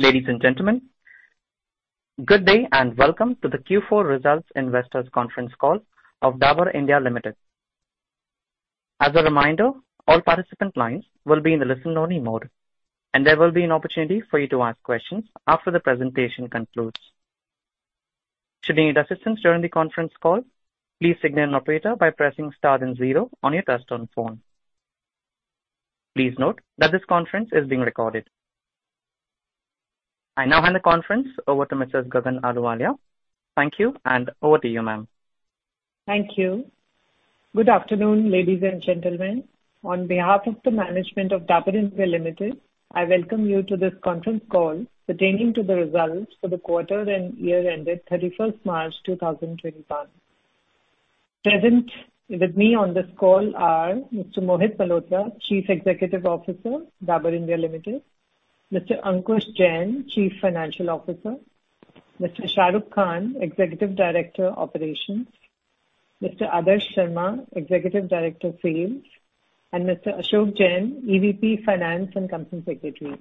Ladies and gentlemen, good day, welcome to the Q4 Results Investors Conference Call of Dabur India Limited. As a reminder, all participant lines will be in the listen only mode, and there will be an opportunity for you to ask questions after the presentation concludes. Should you need assistance during the conference call, please signal an operator by pressing star and zero on your touchtone phone. Please note that this conference is being recorded. I now hand the conference over to Mrs. Gagan Ahluwalia. Thank you, and over to you, ma'am. Thank you. Good afternoon, ladies and gentlemen. On behalf of the management of Dabur India Limited, I welcome you to this conference call pertaining to the results for the quarter and year ended 31st March 2021. Present with me on this call are Mr. Mohit Malhotra, Chief Executive Officer, Dabur India Limited; Mr. Ankush Jain, Chief Financial Officer; Mr. Shahrukh Khan, Executive Director, Operations; Mr. Adarsh Sharma, Executive Director, Sales; and Mr. Ashok Kumar Jain, EVP, Finance and Company Secretary.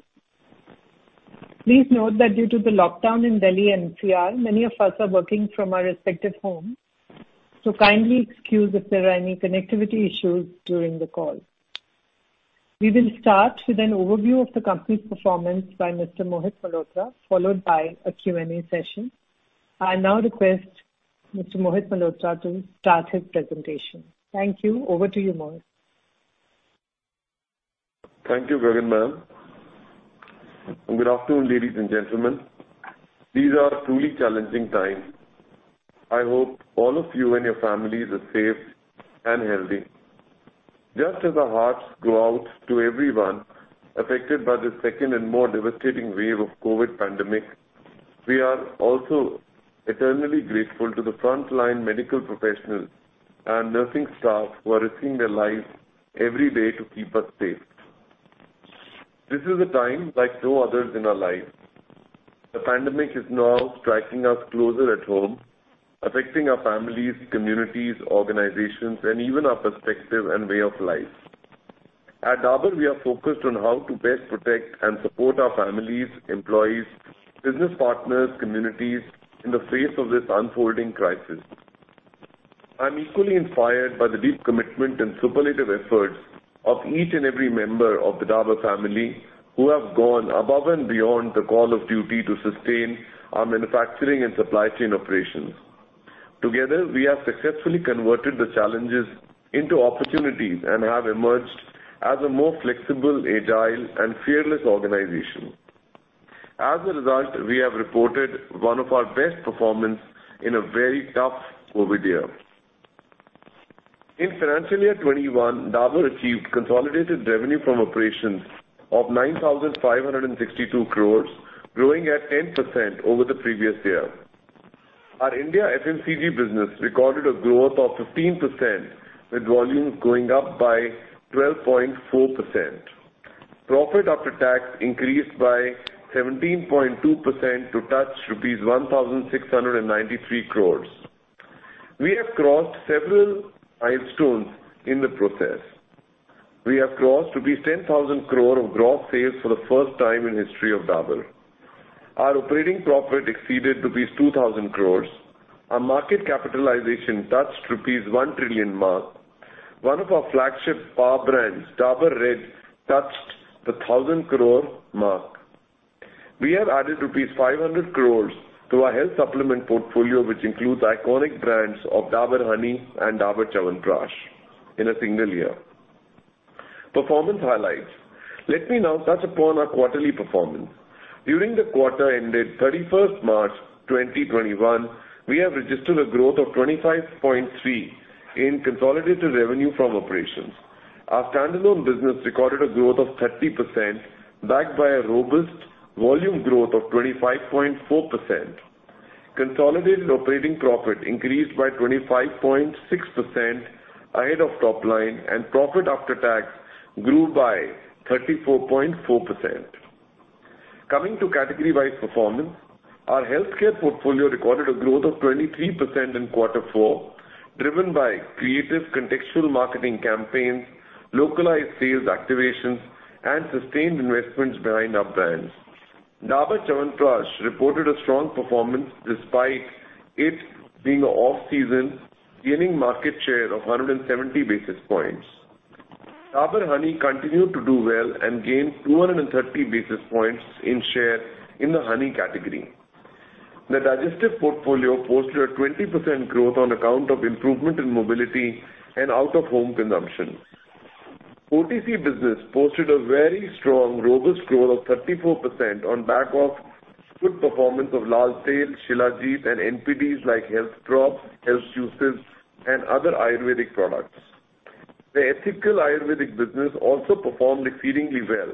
Please note that due to the lockdown in Delhi NCR, many of us are working from our respective homes. Kindly excuse if there are any connectivity issues during the call. We will start with an overview of the company's performance by Mr. Mohit Malhotra, followed by a Q&A session. I now request Mr. Mohit Malhotra to start his presentation. Thank you. Over to you, Mohit. Thank you, Gagan, ma'am, and good afternoon, ladies and gentlemen. These are truly challenging times. I hope all of you and your families are safe and healthy. Just as our hearts go out to everyone affected by the second and more devastating wave of COVID pandemic, we are also eternally grateful to the frontline medical professionals and nursing staff who are risking their lives every day to keep us safe. This is a time like no others in our lives. The pandemic is now striking us closer at home, affecting our families, communities, organizations, and even our perspective and way of life. At Dabur, we are focused on how to best protect and support our families, employees, business partners, communities in the face of this unfolding crisis. I'm equally inspired by the deep commitment and superlative efforts of each and every member of the Dabur family who have gone above and beyond the call of duty to sustain our manufacturing and supply chain operations. Together, we have successfully converted the challenges into opportunities and have emerged as a more flexible, agile and fearless organization. Result, we have reported one of our best performance in a very tough COVID year. In financial year 2021, Dabur achieved consolidated revenue from operations of 9,562 crores, growing at 10% over the previous year. Our India FMCG business recorded a growth of 15%, with volumes going up by 12.4%. Profit after tax increased by 17.2% to touch rupees 1,693 crores. We have crossed several milestones in the process. We have crossed to be 10,000 crore of gross sales for the first time in history of Dabur. Our operating profit exceeded rupees 2,000 crores. Our market capitalization touched rupees 1 trillion mark. One of our flagship power brands, Dabur Red, touched the 1,000 crore mark. We have added rupees 500 crores to our health supplement portfolio, which includes iconic brands of Dabur Honey and Dabur Chyawanprash in a single year. Performance highlights. Let me now touch upon our quarterly performance. During the quarter ended thirty-first March twenty twenty-one, we have registered a growth of 25.3% in consolidated revenue from operations. Our standalone business recorded a growth of 30%, backed by a robust volume growth of 25.4%. Consolidated operating profit increased by 25.6% ahead of top line, and profit after tax grew by 34.4%. Coming to category-wise performance, our healthcare portfolio recorded a growth of 23% in quarter four, driven by creative contextual marketing campaigns, localized sales activations, and sustained investments behind our brands. Dabur Chyawanprash reported a strong performance despite it being off-season, gaining market share of 170 basis points. Dabur Honey continued to do well and gained 230 basis points in share in the honey category. The digestive portfolio posted a 20% growth on account of improvement in mobility and out-of-home consumption. OTC business posted a very strong, robust growth of 34% on back of good performance of Lal Tail, Shilajit and NPDs like health drops, health juices, and other Ayurvedic products. The ethical Ayurvedic business also performed exceedingly well,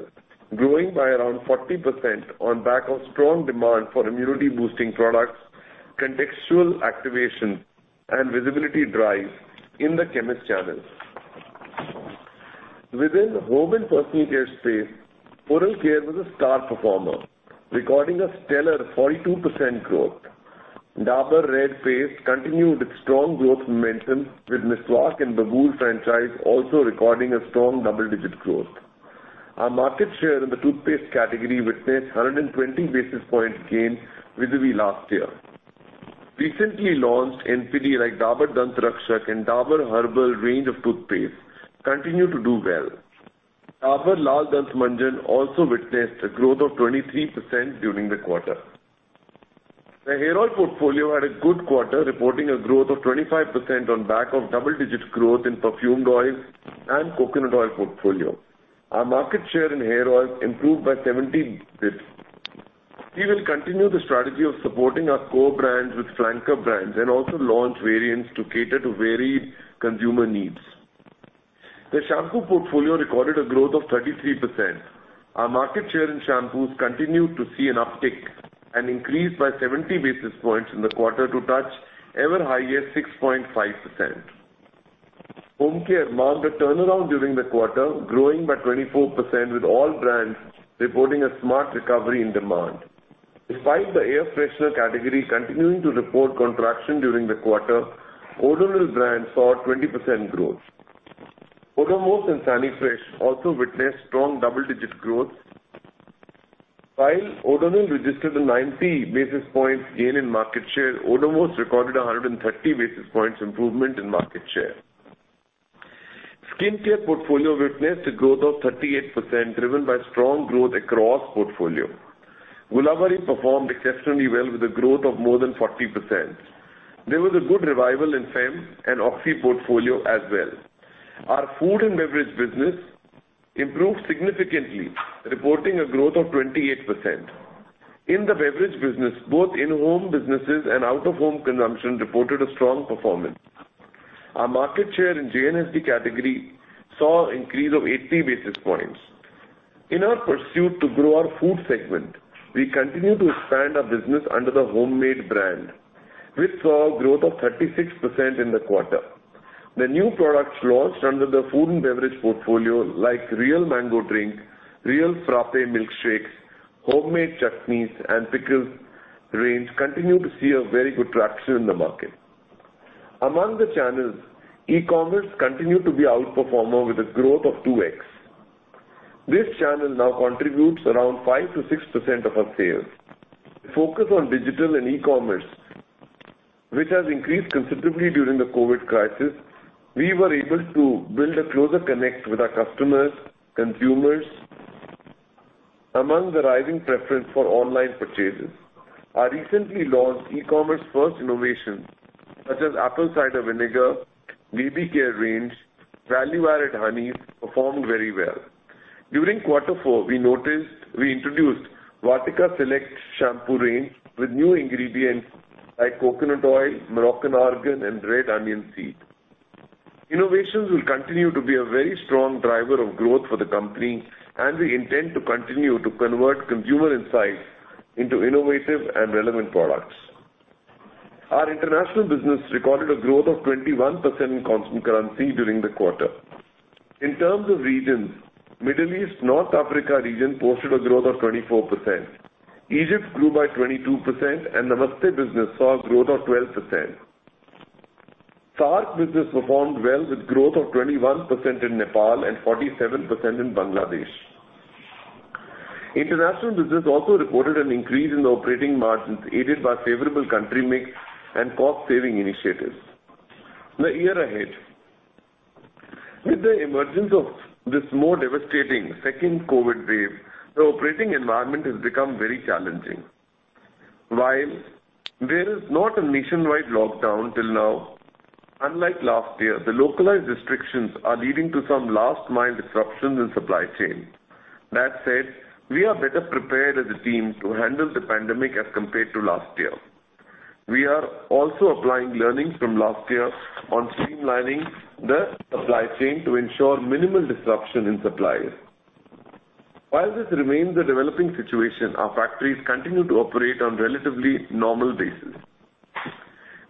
growing by around 40% on back of strong demand for immunity boosting products, contextual activation and visibility drives in the chemist channels. Within home and personal care space, oral care was a star performer, recording a stellar 42% growth. Dabur Red Paste continued its strong growth momentum with Miswak and Babool franchise also recording a strong double-digit growth. Our market share in the toothpaste category witnessed 120 basis points gain vis-à-vis last year. Recently launched NPD like Dabur Dant Rakshak and Dabur Herb'l range of toothpaste continue to do well. Dabur Lal Dant Manjan also witnessed a growth of 23% during the quarter. The hair oil portfolio had a good quarter, reporting a growth of 25% on back of double-digit growth in perfumed oils and coconut oil portfolio. Our market share in hair oils improved by 70 basis points. We will continue the strategy of supporting our core brands with flanker brands and also launch variants to cater to varied consumer needs. The shampoo portfolio recorded a growth of 33%. Our market share in shampoos continued to see an uptick and increased by 70 basis points in the quarter to touch ever higher 6.5%. Home care marked a turnaround during the quarter, growing by 24% with all brands reporting a smart recovery in demand. Despite the air freshener category continuing to report contraction during the quarter, Odonil brand saw 20% growth. Odomos and Sanifresh also witnessed strong double-digit growth. While Odonil registered a 90 basis points gain in market share, Odomos recorded 130 basis points improvement in market share. Skincare portfolio witnessed a growth of 38%, driven by strong growth across portfolio. Gulabari performed exceptionally well with a growth of more than 40%. There was a good revival in Fem and OxyLife portfolio as well. Our food and beverage business improved significantly, reporting a growth of 28%. In the beverage business, both in-home businesses and out-of-home consumption reported a strong performance. Our market share in JNSD category saw increase of 80 basis points. In our pursuit to grow our food segment, we continue to expand our business under the Hommade brand, which saw a growth of 36% in the quarter. The new products launched under the food and beverage portfolio like Réal Mango Drink, Réal Milkshakes, Hommade Chutneys, and Pickles range continue to see a very good traction in the market. Among the channels, e-commerce continued to be outperformer with a growth of 2x. This channel now contributes around 5%-6% of our sales. Focus on digital and e-commerce, which has increased considerably during the COVID crisis, we were able to build a closer connect with our customers, consumers. Among the rising preference for online purchases, our recently launched e-commerce first innovations such as apple cider vinegar, baby care range, value-added honeys performed very well. During quarter four, we introduced Vatika Select Shampoo range with new ingredients like coconut oil, Moroccan argan, and red onion seed. Innovations will continue to be a very strong driver of growth for the company, and we intend to continue to convert consumer insights into innovative and relevant products. Our international business recorded a growth of 21% in constant currency during the quarter. In terms of regions, Middle East, North Africa region posted a growth of 24%, Egypt grew by 22%, and Namaste business saw a growth of 12%. SAARC business performed well with growth of 21% in Nepal and 47% in Bangladesh. International business also reported an increase in the operating margins, aided by favorable country mix and cost-saving initiatives. The year ahead. With the emergence of this more devastating second COVID wave, the operating environment has become very challenging. While there is not a nationwide lockdown till now, unlike last year, the localized restrictions are leading to some last-mile disruptions in supply chain. That said, we are better prepared as a team to handle the pandemic as compared to last year. We are also applying learnings from last year on streamlining the supply chain to ensure minimal disruption in supplies. While this remains a developing situation, our factories continue to operate on relatively normal basis.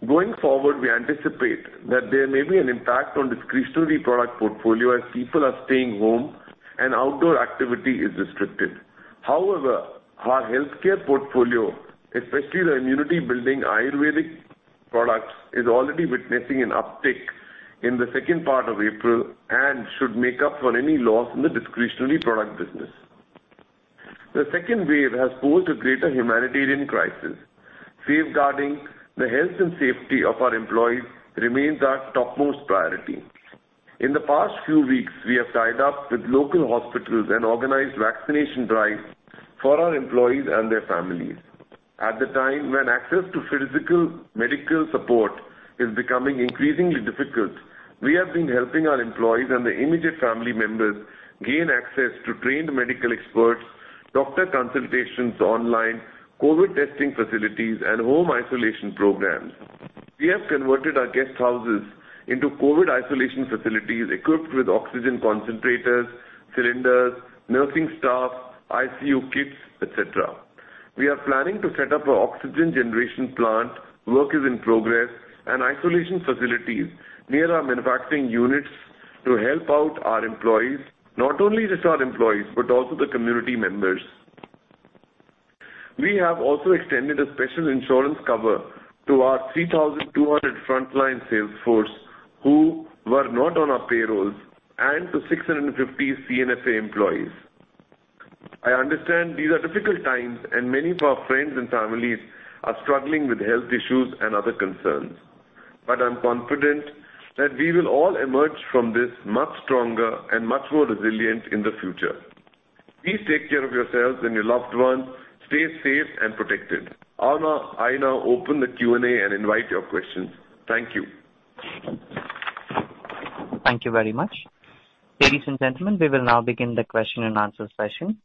Going forward, we anticipate that there may be an impact on discretionary product portfolio as people are staying home and outdoor activity is restricted. However, our healthcare portfolio, especially the immunity-building Ayurvedic products, is already witnessing an uptick in the second part of April and should make up for any loss in the discretionary product business. The second wave has posed a greater humanitarian crisis. Safeguarding the health and safety of our employees remains our topmost priority. In the past few weeks, we have tied up with local hospitals and organized vaccination drives for our employees and their families. At the time when access to physical medical support is becoming increasingly difficult, we have been helping our employees and their immediate family members gain access to trained medical experts, doctor consultations online, COVID testing facilities, and home isolation programs. We have converted our guest houses into COVID isolation facilities equipped with oxygen concentrators, cylinders, nursing staff, ICU kits, et cetera. We are planning to set up an oxygen generation plant, work is in progress, and isolation facilities near our manufacturing units to help out our employees, not only just our employees, but also the community members. We have also extended a special insurance cover to our 3,200 frontline sales force who were not on our payrolls, and to 650 C&F Agent employees. I understand these are difficult times, and many of our friends and families are struggling with health issues and other concerns. I'm confident that we will all emerge from this much stronger and much more resilient in the future. Please take care of yourselves and your loved ones. Stay safe and protected. I now open the Q&A and invite your questions. Thank you. Thank you very much. Ladies and gentlemen, we will now begin the Question-and-Answer session.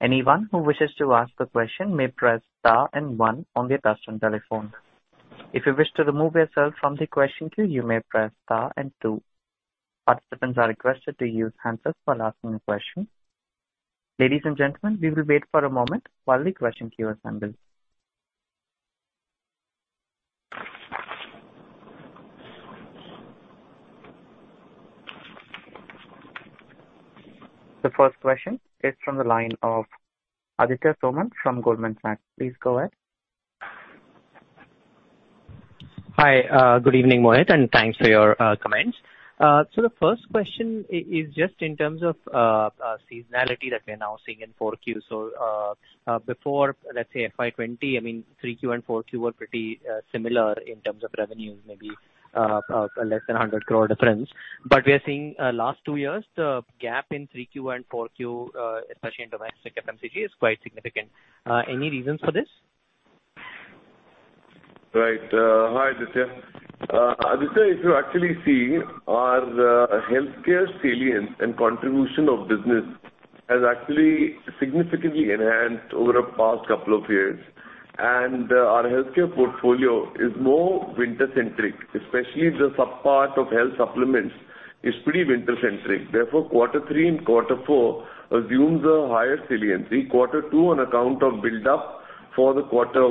Anyone who wishes to ask a question may press star and one on their touchtone telephone. If you wish to remove yourself from the question queue, you may press star and two. Participants are requested to use handsets while asking a question. Ladies and gentlemen, we will wait for a moment while the question queue assembles. The first question is from the line of Aditya Soman from Goldman Sachs. Please go ahead. Hi. Good evening, Mohit. Thanks for your comments. The first question is just in terms of seasonality that we are now seeing in 4Q. Before, let's say FY 2020, 3Q and 4Q were pretty similar in terms of revenues, maybe less than 100 crore difference. We are seeing last two years, the gap in 3Q and 4Q, especially in domestic FMCG, is quite significant. Any reasons for this? Right. Hi, Aditya. Aditya, if you actually see our healthcare salience and contribution of business has actually significantly enhanced over the past couple of years. Our healthcare portfolio is more winter-centric, especially the sub-part of health supplements is pretty winter-centric. Therefore, quarter three and quarter four assumes a higher saliency. Quarter two on account of build-up for the quarter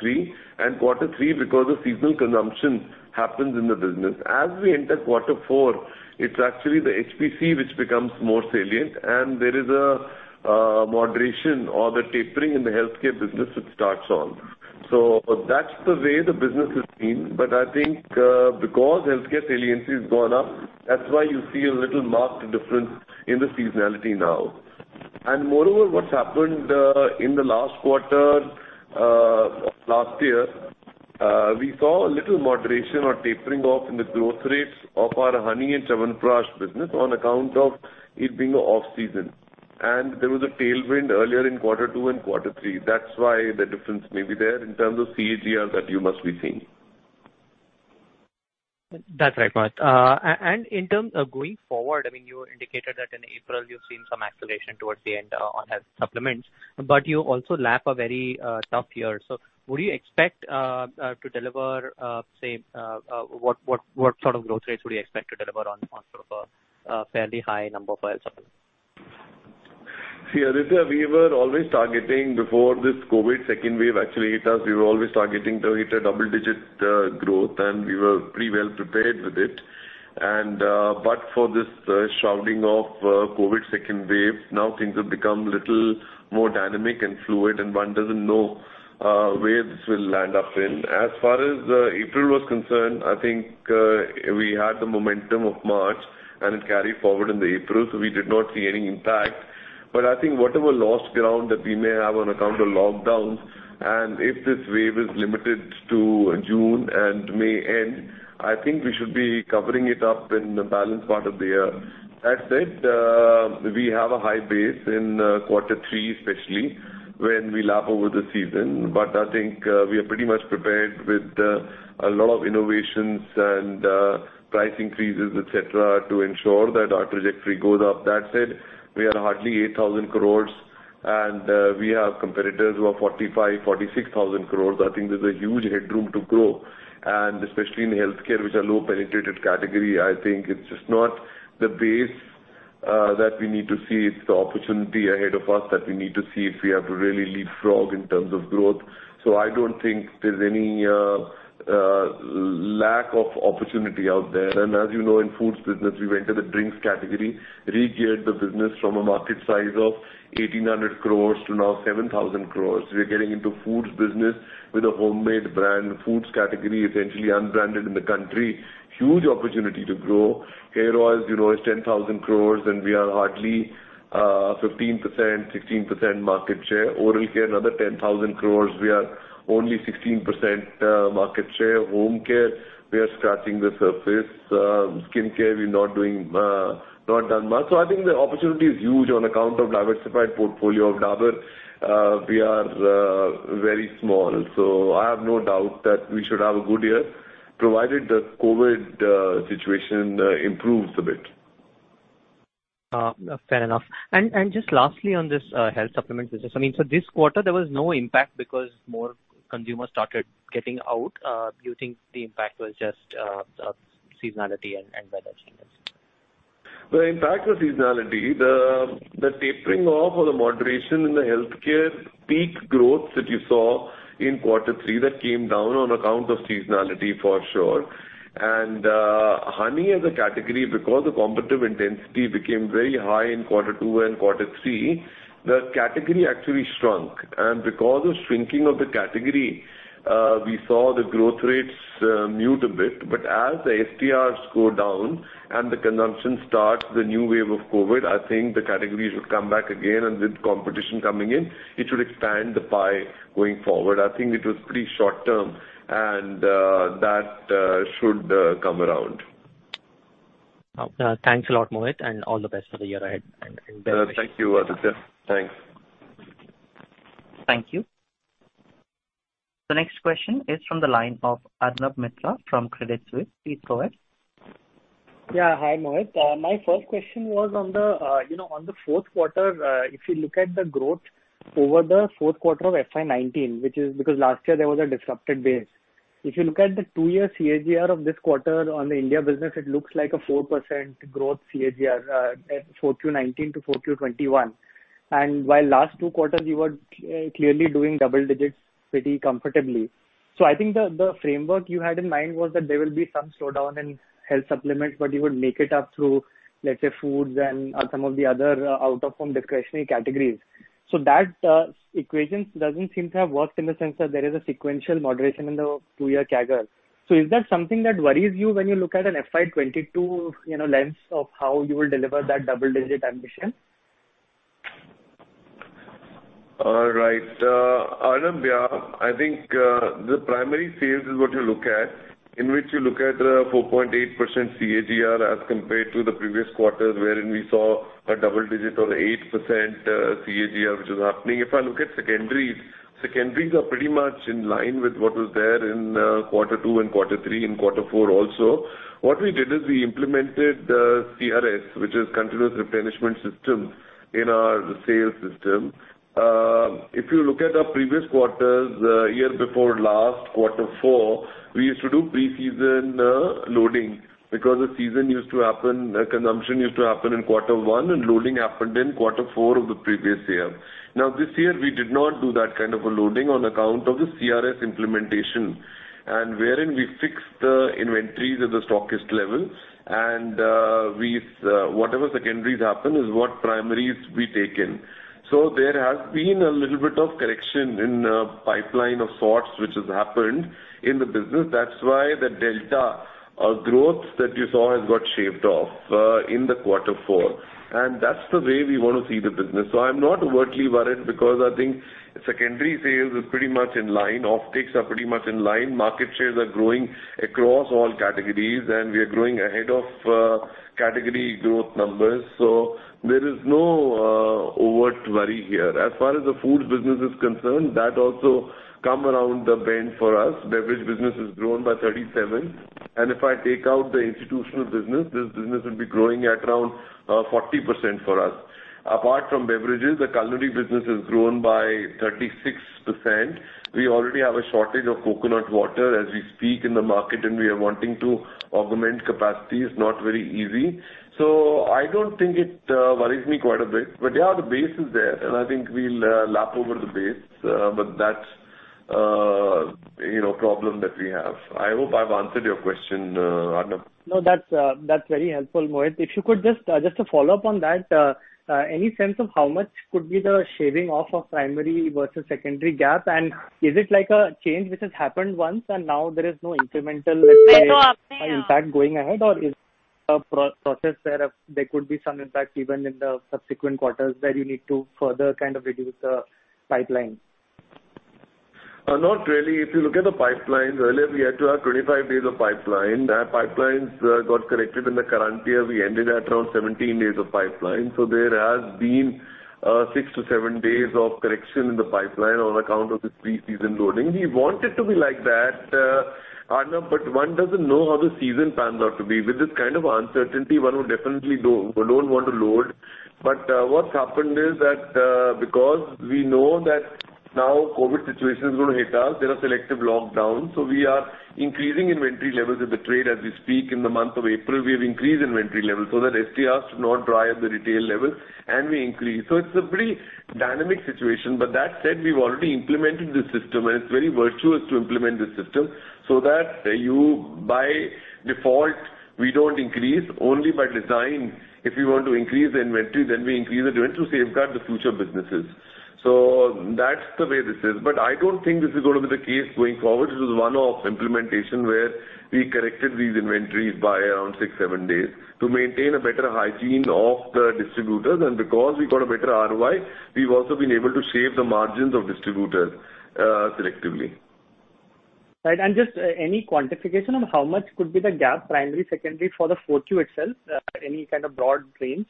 three, and quarter three because of seasonal consumption happens in the business. As we enter quarter four, it's actually the HPC which becomes more salient, and there is a moderation or the tapering in the healthcare business which starts on. That's the way the business is seen. I think because healthcare saliency has gone up, that's why you see a little marked difference in the seasonality now. Moreover, what's happened in the last quarter of last year, we saw a little moderation or tapering off in the growth rates of our honey and Chyawanprash business on account of it being off-season. There was a tailwind earlier in quarter two and quarter three. That's why the difference may be there in terms of CAGR that you must be seeing. That's right, Mohit. In terms of going forward, you indicated that in April you've seen some acceleration towards the end on health supplements, but you also lap a very tough year. What sort of growth rates would you expect to deliver on sort of a fairly high number for health supplements? See, Aditya, before this COVID second wave actually hit us, we were always targeting to hit a double-digit growth. We were pretty well prepared with it. For this shrouding of COVID second wave, now things have become little more dynamic and fluid. One doesn't know where this will land up in. As far as April was concerned, I think we had the momentum of March. It carried forward in the April. We did not see any impact. I think whatever lost ground that we may have on account of lockdowns, if this wave is limited to June and May end, I think we should be covering it up in the balance part of the year. That said, we have a high base in quarter three, especially, when we lap over the season. I think we are pretty much prepared with a lot of innovations and price increases, et cetera, to ensure that our trajectory goes up. That said, we are hardly 8,000 crore, and we have competitors who are 45,000 crore, 46,000 crore. I think there's a huge headroom to grow, and especially in healthcare, which are low-penetrated category. I think it's just not the base that we need to see, it's the opportunity ahead of us that we need to see if we have to really leapfrog in terms of growth. I don't think there's any lack of opportunity out there. As you know, in foods business, we went to the drinks category, regeared the business from a market size of 1,800 crore to now 7,000 crore. We're getting into foods business with a Hommade brand. Foods category essentially unbranded in the country. Huge opportunity to grow. Hair oils is 10,000 crore. We are hardly 15%-16% market share. Oral care, another 10,000 crore, we are only 16% market share. Home care, we are scratching the surface. Skin care, we've not done much. I think the opportunity is huge on account of diversified portfolio of Dabur. We are very small. I have no doubt that we should have a good year, provided the COVID situation improves a bit. Fair enough. Just lastly, on this health supplement business. This quarter, there was no impact because more consumers started getting out. Do you think the impact was just seasonality and weather changes? The impact of seasonality, the tapering off or the moderation in the healthcare peak growth that you saw in quarter three that came down on account of seasonality, for sure. Honey as a category, because the competitive intensity became very high in quarter two and quarter three, the category actually shrunk. Because of shrinking of the category, we saw the growth rates mute a bit. As the STRs go down and the consumption starts the new wave of COVID, I think the category should come back again, and with competition coming in, it should expand the pie going forward. I think it was pretty short term, and that should come around. Thanks a lot, Mohit, all the best for the year ahead. Best wishes. Thank you, Aditya. Thanks. Thank you. The next question is from the line of Arnab Mitra from Credit Suisse. Please go ahead. Hi, Mohit. My first question was on the fourth quarter. If you look at the growth over the fourth quarter of FY 2019, which is because last year there was a disrupted base. If you look at the two-year CAGR of this quarter on the India business, it looks like a 4% growth CAGR at 4Q 2019 to 4Q 2021. While last two quarters you were clearly doing double-digits pretty comfortably. I think the framework you had in mind was that there will be some slowdown in health supplements, but you would make it up through, let's say, foods and some of the other out-of-home discretionary categories. That equation doesn't seem to have worked in the sense that there is a sequential moderation in the two-year CAGR. Is that something that worries you when you look at an FY 2022 lens of how you will deliver that double-digit ambition? All right. Arnab, yeah, I think the primary sales is what you look at, in which you look at 4.8% CAGR as compared to the previous quarters, wherein we saw a double digit or 8% CAGR, which was happening. If I look at secondaries are pretty much in line with what was there in quarter two and quarter three and quarter four also. What we did is we implemented CRS, which is continuous replenishment system in our sales system. If you look at our previous quarters, year before last quarter four, we used to do pre-season loading because the season used to happen, consumption used to happen in quarter one and loading happened in quarter four of the previous year. This year, we did not do that kind of a loading on account of the CRS implementation, and wherein we fixed the inventories at the stockist level. Whatever secondaries happen is what primaries we take in. There has been a little bit of correction in pipeline of sorts, which has happened in the business. That's why the delta of growth that you saw has got shaved off in the quarter four. That's the way we want to see the business. I'm not overtly worried because I think secondary sales is pretty much in line. Optics are pretty much in line. Market shares are growing across all categories, and we are growing ahead of category growth numbers. There is no overt worry here. As far as the food business is concerned, that also come around the bend for us. Beverage business has grown by 37%. If I take out the institutional business, this business will be growing at around 40% for us. Apart from beverages, the culinary business has grown by 36%. We already have a shortage of coconut water as we speak in the market, and we are wanting to augment capacity. It's not very easy. I don't think it worries me quite a bit. Yeah, the base is there, and I think we'll lap over the base. That's a problem that we have. I hope I've answered your question, Arnab? No, that's very helpful, Mohit. If you could, just to follow up on that, any sense of how much could be the shaving off of primary versus secondary gap? Is it like a change which has happened once and now there is no incremental, let's say, impact going ahead? Is it a process where there could be some impact even in the subsequent quarters where you need to further kind of reduce the pipeline? Not really. If you look at the pipelines, earlier we had to have 25 days of pipeline. That pipelines got corrected in the current year. We ended at around 17 days of pipeline. There has been six to seven days of correction in the pipeline on account of the pre-season loading. We want it to be like that, Arnab, one doesn't know how the season pans out to be. With this kind of uncertainty, one would definitely don't want to load. What's happened is that because we know that now COVID situation is going to hit us, there are selective lockdowns. We are increasing inventory levels with the trade as we speak. In the month of April, we have increased inventory levels so that STRs do not dry at the retail levels, and we increase. It's a pretty dynamic situation. That said, we've already implemented this system, and it's very virtuous to implement this system so that you by default, we don't increase. Only by design, if we want to increase the inventory, then we increase the inventory to safeguard the future businesses. That's the way this is. I don't think this is going to be the case going forward. This is one-off implementation where we corrected these inventories by around six, seven days to maintain a better hygiene of the distributors. Because we got a better ROI, we've also been able to shave the margins of distributors selectively. Right. Just any quantification on how much could be the gap, primary, secondary for the 4Q itself? Any kind of broad range?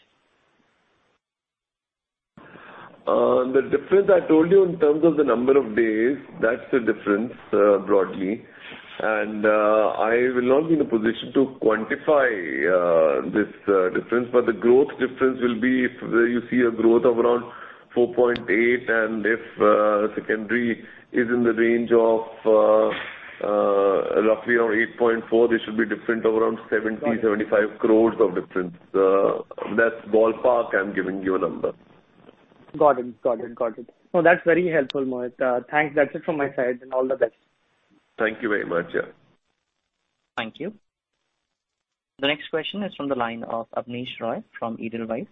The difference I told you in terms of the number of days, that's the difference broadly. I will not be in a position to quantify this difference, but the growth difference will be where you see a growth of around 4.8%, and if secondary is in the range of roughly around 8.4%, this should be different, around 70 crore-75 crore of difference. That's ballpark, I'm giving you a number. Got it. No, that's very helpful, Mohit. Thanks. That's it from my side, and all the best. Thank you very much. Thank you. The next question is from the line of Abneesh Roy from Edelweiss.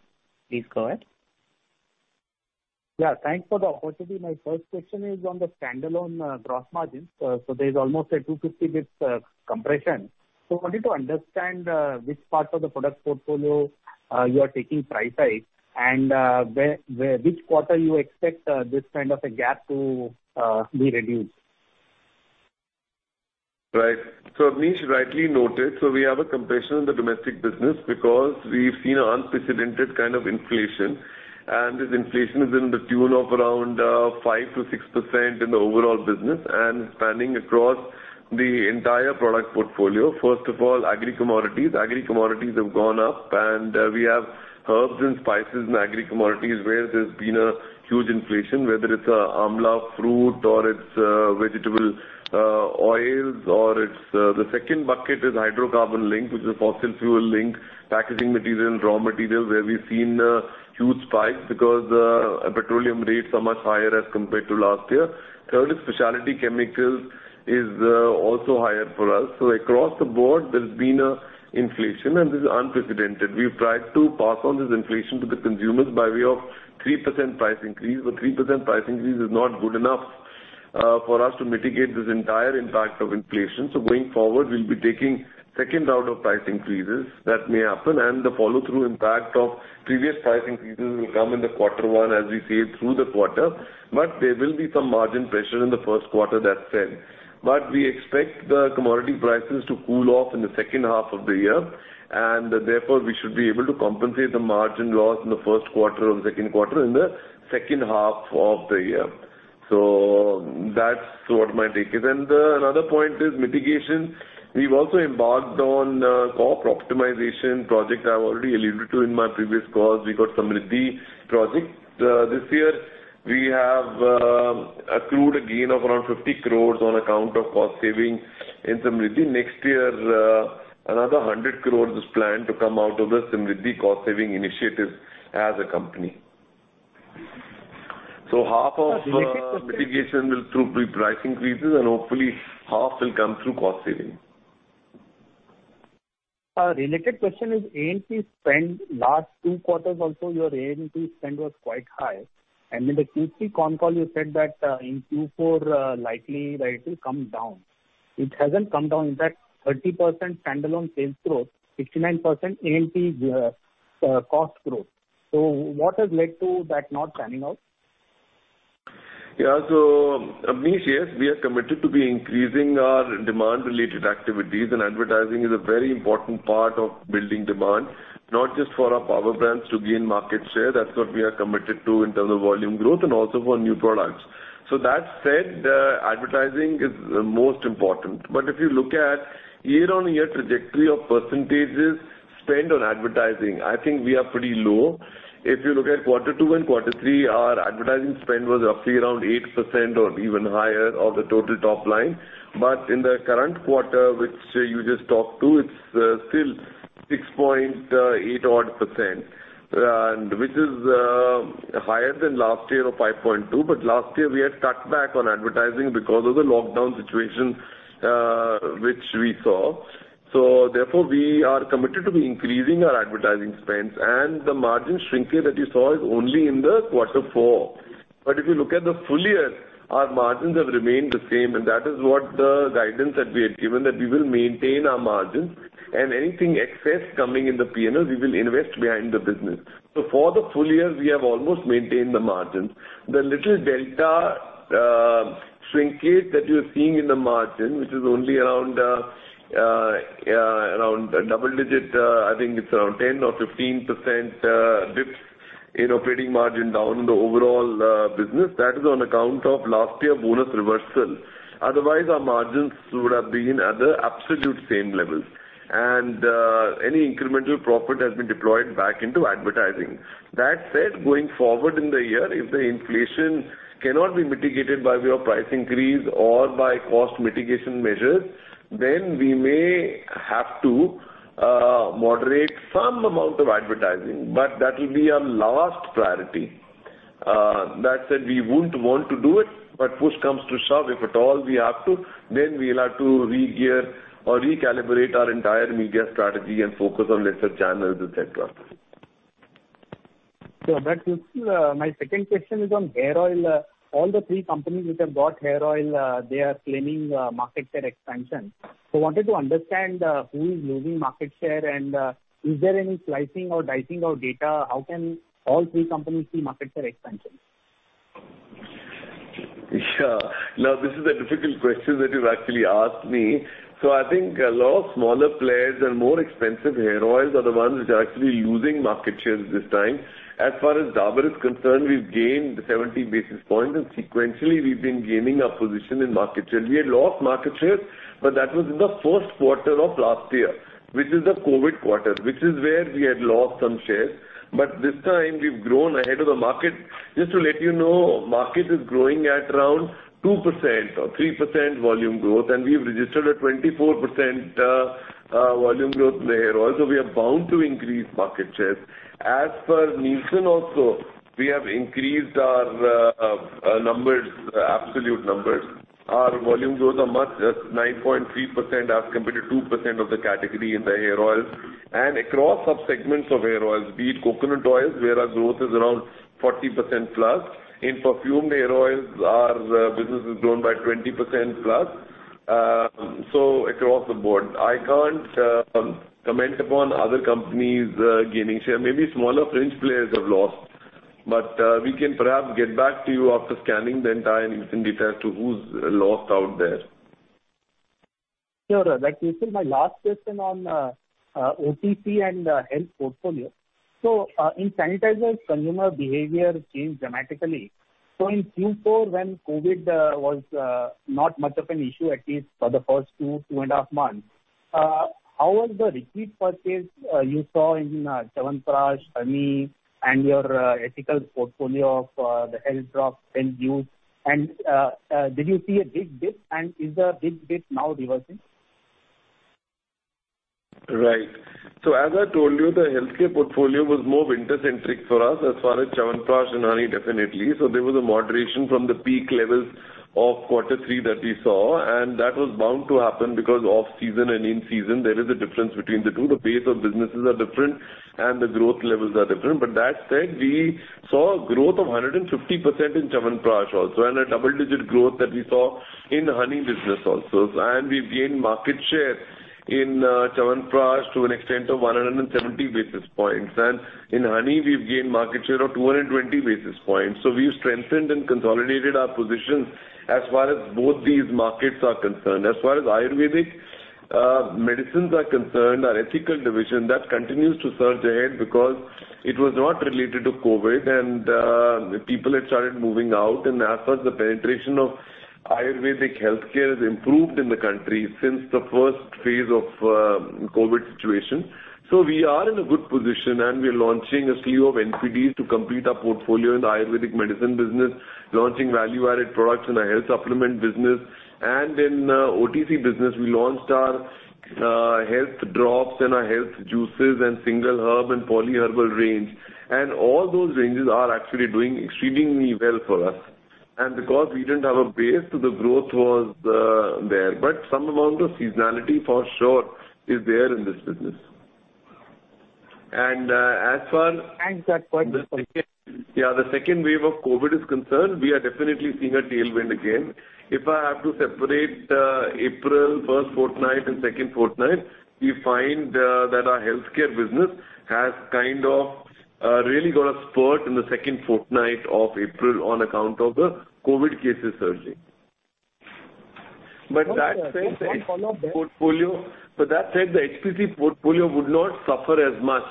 Please go ahead. Yeah, thanks for the opportunity. My first question is on the standalone gross margins. There is almost a 250 basis points compression. I wanted to understand which part of the product portfolio you are taking price hike, and which quarter you expect this kind of a gap to be reduced. Right. Abneesh rightly noted. We have a compression in the domestic business because we've seen an unprecedented kind of inflation, and this inflation is in the tune of around 5%-6% in the overall business and spanning across the entire product portfolio. First of all, agri-commodities. Agri-commodities have gone up, and we have herbs and spices in agri-commodities where there's been a huge inflation, whether it's amla fruit or it's vegetable oils. The second bucket is hydrocarbon link, which is a fossil fuel link, packaging material and raw material, where we've seen huge spikes because petroleum rates are much higher as compared to last year. Third is specialty chemicals is also higher for us. Across the board, there's been inflation, and this is unprecedented. We've tried to pass on this inflation to the consumers by way of 3% price increase. 3% price increase is not good enough for us to mitigate this entire impact of inflation. Going forward, we'll be taking second round of price increases that may happen, and the follow-through impact of previous price increases will come in the quarter one as we sail through the quarter. There will be some margin pressure in the first quarter, that said. We expect the commodity prices to cool off in the second half of the year, and therefore, we should be able to compensate the margin loss in the first quarter or the second quarter in the second half of the year. That's what my take is. Another point is mitigation. We've also embarked on cost optimization project I've already alluded to in my previous calls. We got Samriddhi Project. This year, we have accrued a gain of around 50 crores on account of cost saving in Samriddhi. Next year, another 100 crores is planned to come out of the Samriddhi cost-saving initiative as a company. Related question. Mitigation will through price increases, and hopefully half will come through cost saving. A related question is A&P spend. Last two quarters also, your A&P spend was quite high. In the Q3 con call, you said that in Q4, likely that it will come down. It hasn't come down. In fact, 30% standalone sales growth, 69% A&P cost growth. What has led to that not panning out? Yeah. Abneesh, yes, we are committed to be increasing our demand-related activities, and advertising is a very important part of building demand, not just for our power brands to gain market share. That's what we are committed to in terms of volume growth, and also for new products. That said, advertising is most important. If you look at year-on-year trajectory of percentages spent on advertising, I think we are pretty low. If you look at quarter two and quarter three, our advertising spend was roughly around 8% or even higher of the total top line. In the current quarter, which you just talked to, it's still 6.8 odd percent, which is higher than last year of 5.2%. Last year, we had cut back on advertising because of the lockdown situation which we saw. Therefore, we are committed to be increasing our advertising spends. The margin shrinkage that you saw is only in the quarter four. If you look at the full year, our margins have remained the same. That is what the guidance that we had given, that we will maintain our margins. Anything excess coming in the P&L, we will invest behind the business. For the full year, we have almost maintained the margins. The little delta shrinkage that you're seeing in the margin, which is only around double digit, I think it's around 10% or 15% dip in operating margin down the overall business. That is on account of last year bonus reversal. Otherwise, our margins would have been at the absolute same levels. Any incremental profit has been deployed back into advertising. That said, going forward in the year, if the inflation cannot be mitigated by way of price increase or by cost mitigation measures, then we may have to moderate some amount of advertising. That will be our last priority. That said, we wouldn't want to do it. Push comes to shove, if at all we have to, then we'll have to regear or recalibrate our entire media strategy and focus on lesser channels, et cetera. Sure. My second question is on hair oil. All the three companies which have got hair oil, they are claiming market share expansion. Wanted to understand who is losing market share, and is there any slicing or dicing of data? How can all three companies see market share expansion? Yeah. Now, this is a difficult question that you've actually asked me. I think a lot of smaller players and more expensive hair oils are the ones which are actually losing market shares this time. As far as Dabur is concerned, we've gained 70 basis points, and sequentially, we've been gaining our position in market share. We had lost market share, but that was in the first quarter of last year, which is the COVID quarter, which is where we had lost some shares. This time we've grown ahead of the market. Just to let you know, the market is growing at around 2% or 3% volume growth, and we've registered a 24% volume growth in the hair oils, so we are bound to increase market share. As per Nielsen also, we have increased our absolute numbers. Our volume growth is 9.3% as compared to 2% of the category in the hair oils. Across subsegments of hair oils, be it coconut oils, where our growth is around 40%+. In perfumed hair oils, our business has grown by 20%+, so across the board. I can't comment upon other companies gaining share. Maybe smaller fringe players have lost. We can perhaps get back to you after scanning the entire industry as to who's lost out there. Sure. This is my last question on OTC and health portfolio. In sanitizers, consumer behavior changed dramatically. In Q4, when COVID was not much of an issue, at least for the first two and a half months, how was the repeat purchase you saw in Chyawanprash, honey, and your ethical portfolio of the health drops and juice? Did you see a big dip, and is the big dip now reversing? Right. As I told you, the healthcare portfolio was more winter-centric for us as far as Chyawanprash and honey, definitely. There was a moderation from the peak levels of quarter three that we saw, and that was bound to happen because off-season and in-season, there is a difference between the two. The base of businesses are different, and the growth levels are different. That said, we saw a growth of 150% in Chyawanprash also, and a double-digit growth that we saw in the honey business also. We've gained market share in Chyawanprash to an extent of 170 basis points. In honey, we've gained market share of 220 basis points. We've strengthened and consolidated our positions as far as both these markets are concerned. As far as Ayurvedic medicines are concerned, our ethical division, that continues to surge ahead because it was not related to COVID, and people had started moving out. As far as the penetration of Ayurvedic healthcare has improved in the country since the first phase of COVID situation. We are in a good position, and we're launching a slew of NPDs to complete our portfolio in the Ayurvedic medicine business, launching value-added products in our health supplement business. In OTC business, we launched our health drops and our health juices, and single herb and polyherbal range. All those ranges are actually doing extremely well for us. Because we didn't have a base, the growth was there. Some amount of seasonality for sure is there in this business. And that point is- Yeah, the second wave of COVID is concerned, we are definitely seeing a tailwind again. If I have to separate April first fortnight and second fortnight, we find that our healthcare business has kind of really got a spurt in the second fortnight of April on account of the COVID cases surging. That said. One follow-up there. The HPC portfolio would not suffer as much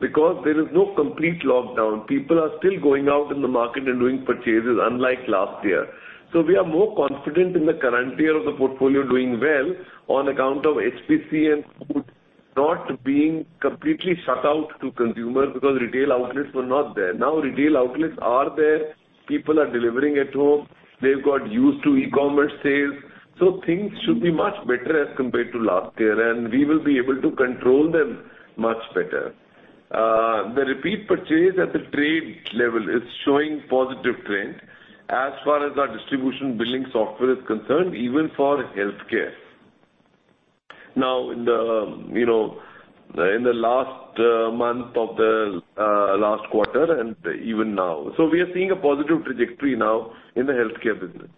because there is no complete lockdown. People are still going out in the market and doing purchases unlike last year. We are more confident in the current year of the portfolio doing well on account of HPC and food not being completely shut out to consumers because retail outlets were not there. Retail outlets are there. People are delivering at home. They've got used to e-commerce sales. Things should be much better as compared to last year, and we will be able to control them much better. The repeat purchase at the trade level is showing positive trend as far as our distribution billing software is concerned, even for healthcare. In the last month of the last quarter and even now. We are seeing a positive trajectory now in the healthcare business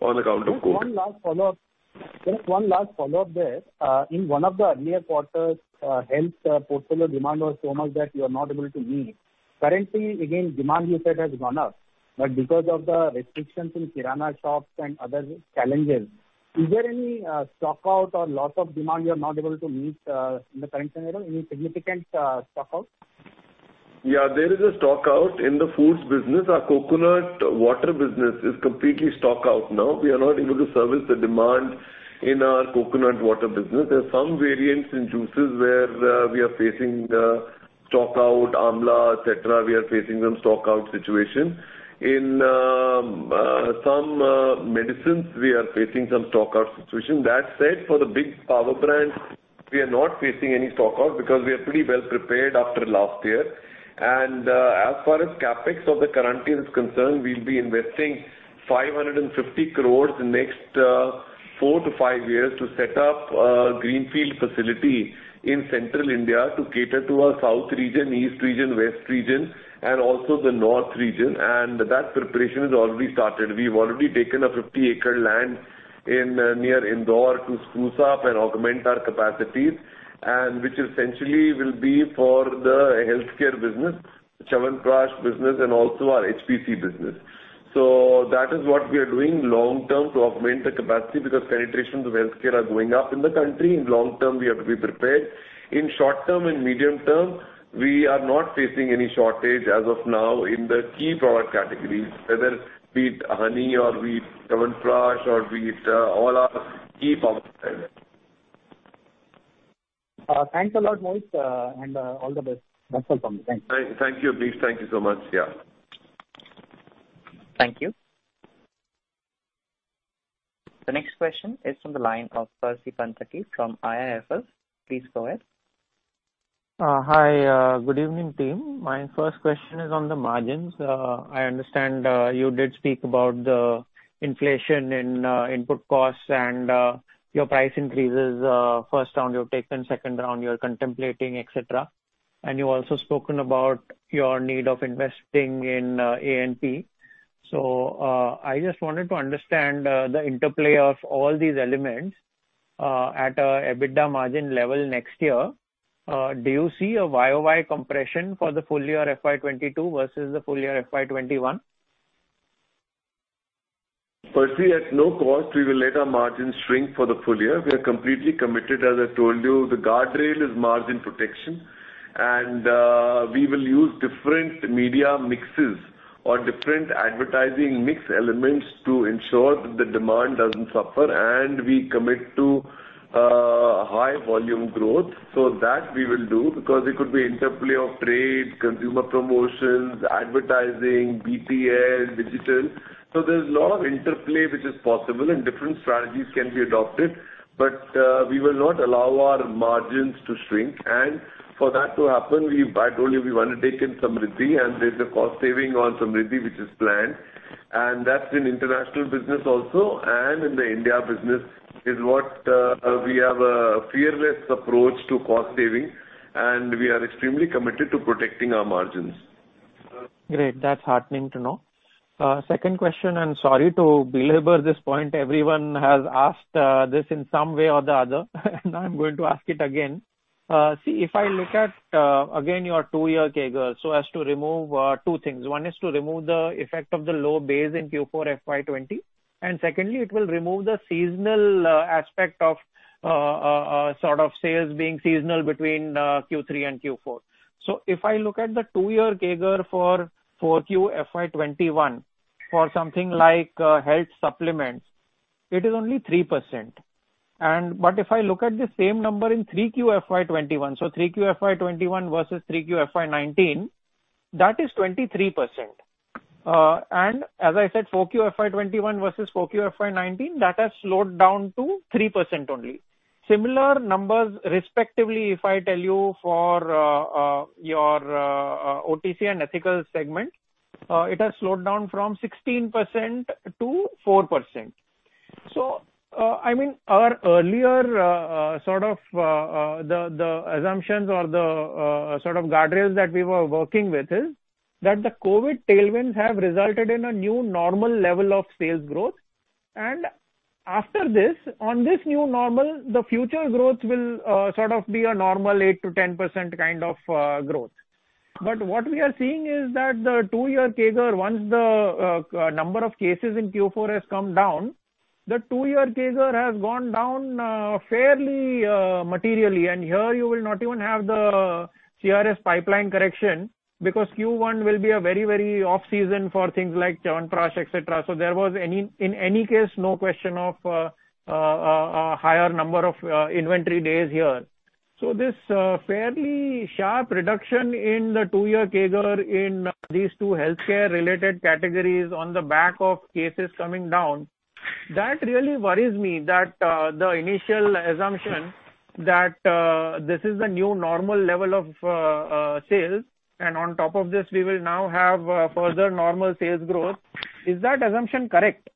on account of COVID. Just one last follow-up there. In one of the earlier quarters, health portfolio demand was so much that you were not able to meet. Currently, again, demand you said has gone up, but because of the restrictions in Kirana shops and other challenges, is there any stock out or lots of demand you are not able to meet in the current scenario? Any significant stock out? Yeah, there is a stock out in the foods business. Our coconut water business is completely stock out now. We are not able to service the demand in our coconut water business. There is some variance in juices where we are facing stock out, Amla, et cetera, we are facing some stock out situation. In some medicines, we are facing some stock out situation. That said, for the big power brands, we are not facing any stock out because we are pretty well prepared after last year. As far as CapEx of the current year is concerned, we will be investing 550 crores the next four to five years to set up a greenfield facility in Central India to cater to our south region, east region, west region, and also the north region. That preparation has already started. We've already taken a 50-acre land near Indore to spruce up and augment our capacities, which essentially will be for the healthcare business, Chyawanprash business, and also our HPC business. That is what we are doing long-term to augment the capacity because penetrations of healthcare are going up in the country. In long term, we have to be prepared. In short term and medium term, we are not facing any shortage as of now in the key product categories, whether be it honey or be it Chyawanprash or be it all our key products. Thanks a lot, Mohit, and all the best. That's all from me. Thanks. Thank you, Abneesh. Thank you so much. Yeah. Thank you. The next question is from the line of Percy Panthaki from IIFL. Please go ahead. Hi. Good evening, team. My first question is on the margins. I understand you did speak about the inflation in input costs and your price increases. First round you've taken, second round you're contemplating, et cetera. You also spoken about your need of investing in A&P. I just wanted to understand the interplay of all these elements at a EBITDA margin level next year. Do you see a YoY compression for the full year FY 2022 versus the full year FY 2021? Percy, at no cost we will let our margins shrink for the full year. We are completely committed. As I told you, the guardrail is margin protection, and we will use different media mixes or different advertising mix elements to ensure that the demand doesn't suffer and we commit to high volume growth. That we will do, because it could be interplay of trade, consumer promotions, advertising, BTL, digital. There's a lot of interplay which is possible and different strategies can be adopted. We will not allow our margins to shrink. For that to happen, I told you, we want to take in Samriddhi, and there's a cost saving on Samriddhi, which is planned, and that's in international business also and in the India business is what we have a fearless approach to cost saving, and we are extremely committed to protecting our margins. Great. That's heartening to know. Second question, I'm sorry to belabor this point. Everyone has asked this in some way or the other, and I'm going to ask it again. See, if I look at, again, your two-year CAGR, so as to remove two things. One is to remove the effect of the low base in Q4 FY 2020, and secondly, it will remove the seasonal aspect of sales being seasonal between Q3 and Q4. If I look at the two-year CAGR for 4Q FY 2021 for something like health supplements, it is only 3%. If I look at the same number in 3Q FY 2021, so 3Q FY 2021 versus 3Q FY 2019, that is 23%. As I said, 4Q FY 2021 versus 4Q FY 2019, that has slowed down to 3% only. Similar numbers, respectively, if I tell you for your OTC and Ethical segment, it has slowed down from 16%-4%. Our earlier assumptions or the guardrails that we were working with is that the COVID tailwinds have resulted in a new normal level of sales growth. After this, on this new normal, the future growth will be a normal 8%-10% kind of growth. What we are seeing is that the two-year CAGR, once the number of cases in Q4 has come down, the two-year CAGR has gone down fairly materially. Here you will not even have the CRS pipeline correction because Q1 will be a very off-season for things like Chyawanprash, et cetera. There was in any case, no question of a higher number of inventory days here. This fairly sharp reduction in the two-year CAGR in these two healthcare-related categories on the back of cases coming down, that really worries me that the initial assumption that this is the new normal level of sales, and on top of this, we will now have further normal sales growth. Is that assumption correct?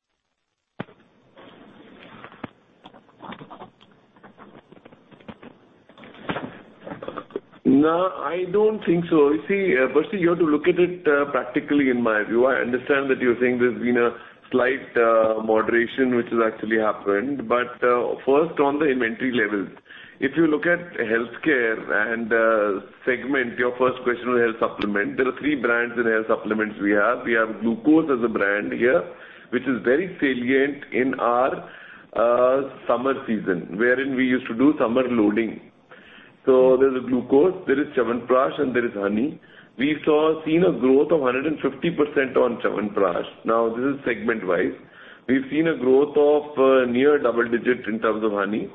No, I don't think so. You see, Percy, you have to look at it practically, in my view. I understand that you're saying there's been a slight moderation, which has actually happened. First, on the inventory levels, if you look at healthcare and segment, your first question on health supplement, there are three brands in health supplements we have. We have Glucose as a brand here, which is very salient in our summer season, wherein we used to do summer loading. There's Glucose, there is Chyawanprash, and there is Honey. We've seen a growth of 150% on Chyawanprash. This is segment-wise. We've seen a growth of near double digit in terms of Honey.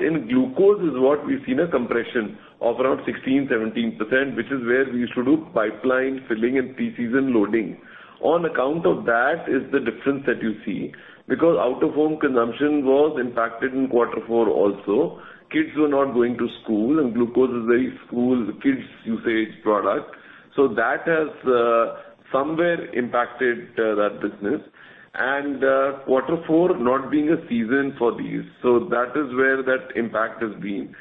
In Glucose is what we've seen a compression of around 16%, 17%, which is where we used to do pipeline filling and preseason loading. On account of that is the difference that you see, because out-of-home consumption was impacted in quarter four also. Kids were not going to school, Glucose is very school, kids usage product. That has somewhere impacted that business. Quarter four not being a season for these. That is where that impact has been.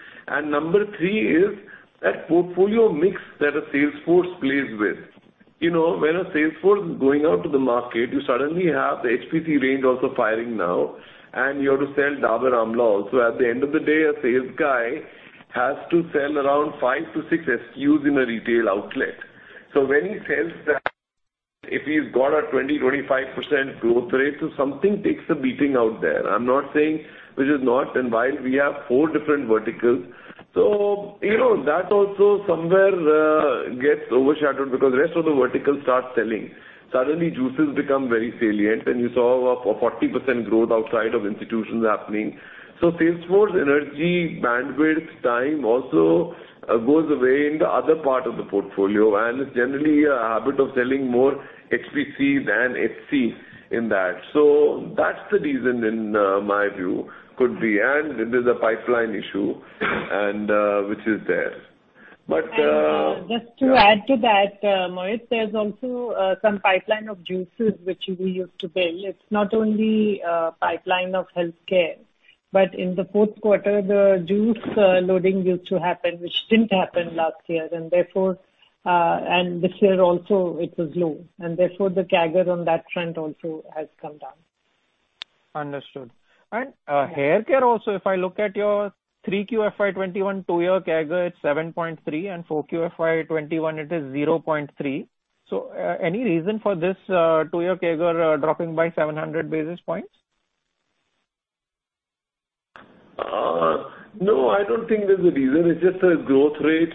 Number three is that portfolio mix that a sales force plays with. When a sales force is going out to the market, you suddenly have the HPC range also firing now, and you have to sell Dabur Amla also. At the end of the day, a sales guy has to sell around five to six SKUs in a retail outlet. When he sells that, if he's got a 20%, 25% growth rate, something takes a beating out there. I'm not saying which is not, while we have four different verticals. That also somewhere gets overshadowed because the rest of the vertical starts selling. Suddenly juices become very salient, and you saw a 40% growth outside of institutions happening. Sales force energy, bandwidth, time also goes away in the other part of the portfolio, and it's generally a habit of selling more HPC than HCs in that. That's the reason in my view could be, and it is a pipeline issue and which is there. Just to add to that, Mohit, there's also some pipeline of juices which we used to build. It's not only a pipeline of healthcare, but in the fourth quarter, the juice loading used to happen, which didn't happen last year, and this year also it was low. Therefore, the CAGR on that front also has come down. Understood. Hair care also, if I look at your 3Q FY 2021, two-year CAGR, it's 7.3%, and 4Q FY 2021 it is 0.3%. Any reason for this two-year CAGR dropping by 700 basis points? I don't think there's a reason. It's just a growth rate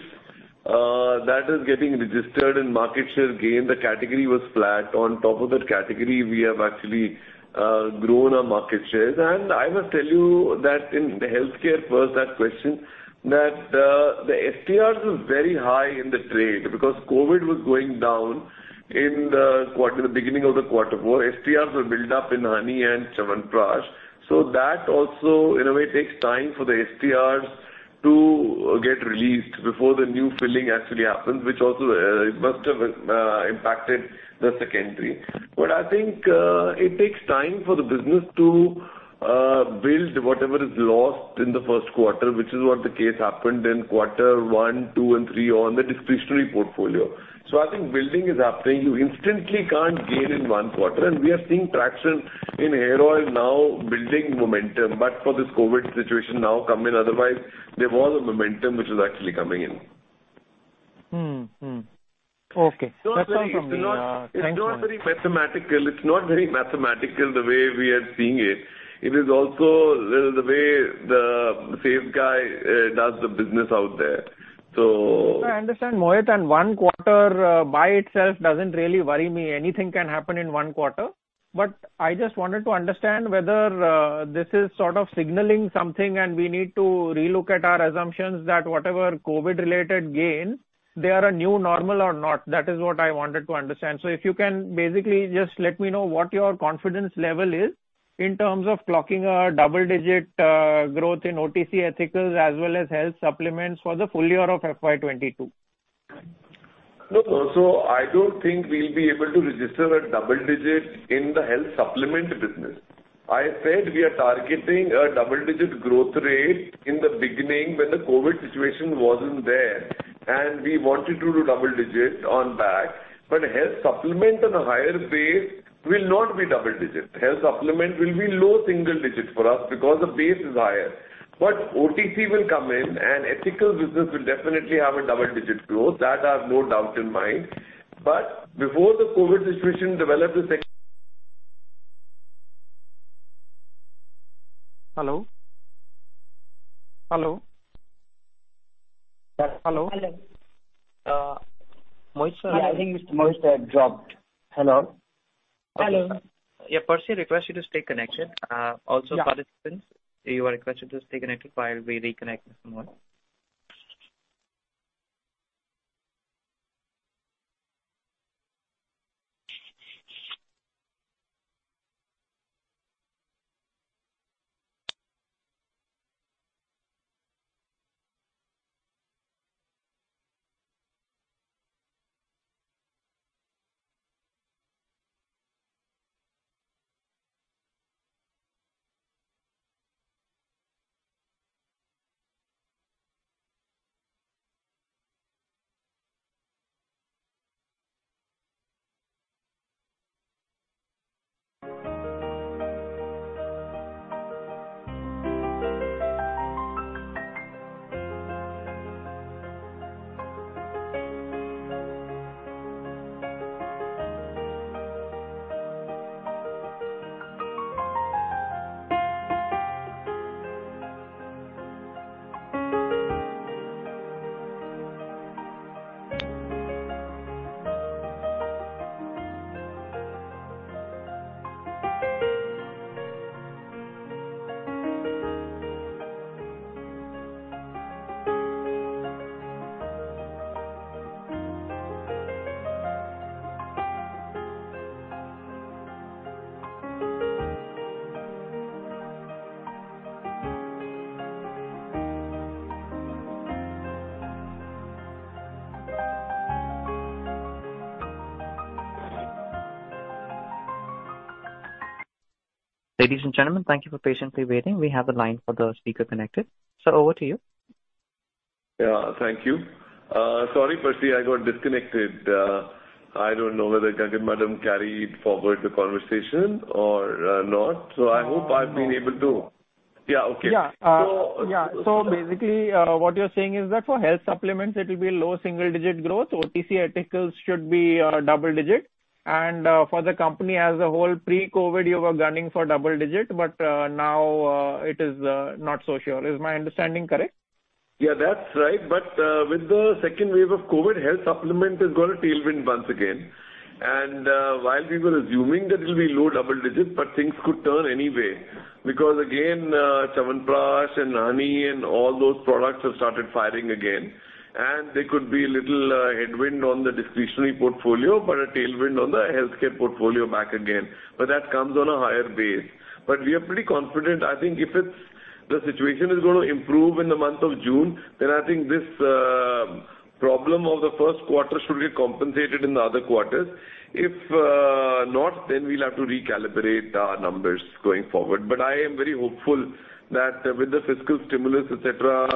that is getting registered and market share gain. The category was flat. On top of that category, we have actually grown our market shares. I must tell you that in the healthcare first, that question, that the STRs was very high in the trade because COVID was going down in the beginning of the quarter. STRs were built up in honey and Chyawanprash. That also in a way takes time for the STRs to get released before the new filling actually happens, which also must have impacted the second period. I think it takes time for the business to build whatever is lost in the first quarter, which is what the case happened in quarter one, two, and three on the discretionary portfolio. I think building is happening. You instantly can't gain in one quarter. We are seeing traction in hair oil now building momentum. For this COVID situation now come in, otherwise, there was a momentum which was actually coming in. Okay. That's all from me. It's not very mathematical the way we are seeing it. It is also the way the sales guy does the business out there. I understand, Mohit. One quarter by itself doesn't really worry me. Anything can happen in one quarter. I just wanted to understand whether this is sort of signaling something and we need to relook at our assumptions that whatever COVID-related gains, they are a new normal or not. That is what I wanted to understand. If you can basically just let me know what your confidence level is in terms of clocking a double-digit growth in OTC Ethical as well as health supplements for the full year of FY 2022. Look, also, I don't think we'll be able to register a double-digit in the health supplement business. I said we are targeting a double-digit growth rate in the beginning when the COVID situation wasn't there, and we wanted to do double-digit on that. Health supplement on a higher base will not be double-digit. Health supplement will be low single-digit for us because the base is higher. OTC will come in and ethical business will definitely have a double-digit growth. That I have no doubt in mind. Before the COVID situation developed. Hello? Hello. Mohit sir? Yeah, I think Mr. Mohit has dropped. Hello? Hello. Yeah, Percy, request you to stay connected. Also, participants, you are requested to stay connected while we reconnect with Mohit. Ladies and gentlemen, thank you for patiently waiting. We have the line for the speaker connected. Sir, over to you. Yeah, thank you. Sorry, Percy, I got disconnected. I don't know whether Gagan madam carried forward the conversation or not. I hope I've been able to Yeah. Okay. Yeah. Basically, what you're saying is that for health supplements, it will be low single-digit growth. OTC ethicals should be double digit, and for the company as a whole, pre-COVID, you were gunning for double digit, but now it is not so sure. Is my understanding correct? Yeah, that's right. With the second wave of COVID, health supplement has got a tailwind once again. While we were assuming that it will be low double digits, things could turn anyway, because again, Chyawanprash and honey and all those products have started firing again. There could be little headwind on the discretionary portfolio, a tailwind on the healthcare portfolio back again. That comes on a higher base. We are pretty confident. I think if the situation is going to improve in the month of June, I think this problem of the first quarter should get compensated in the other quarters. If not, we'll have to recalibrate our numbers going forward. I am very hopeful that with the fiscal stimulus, et cetera,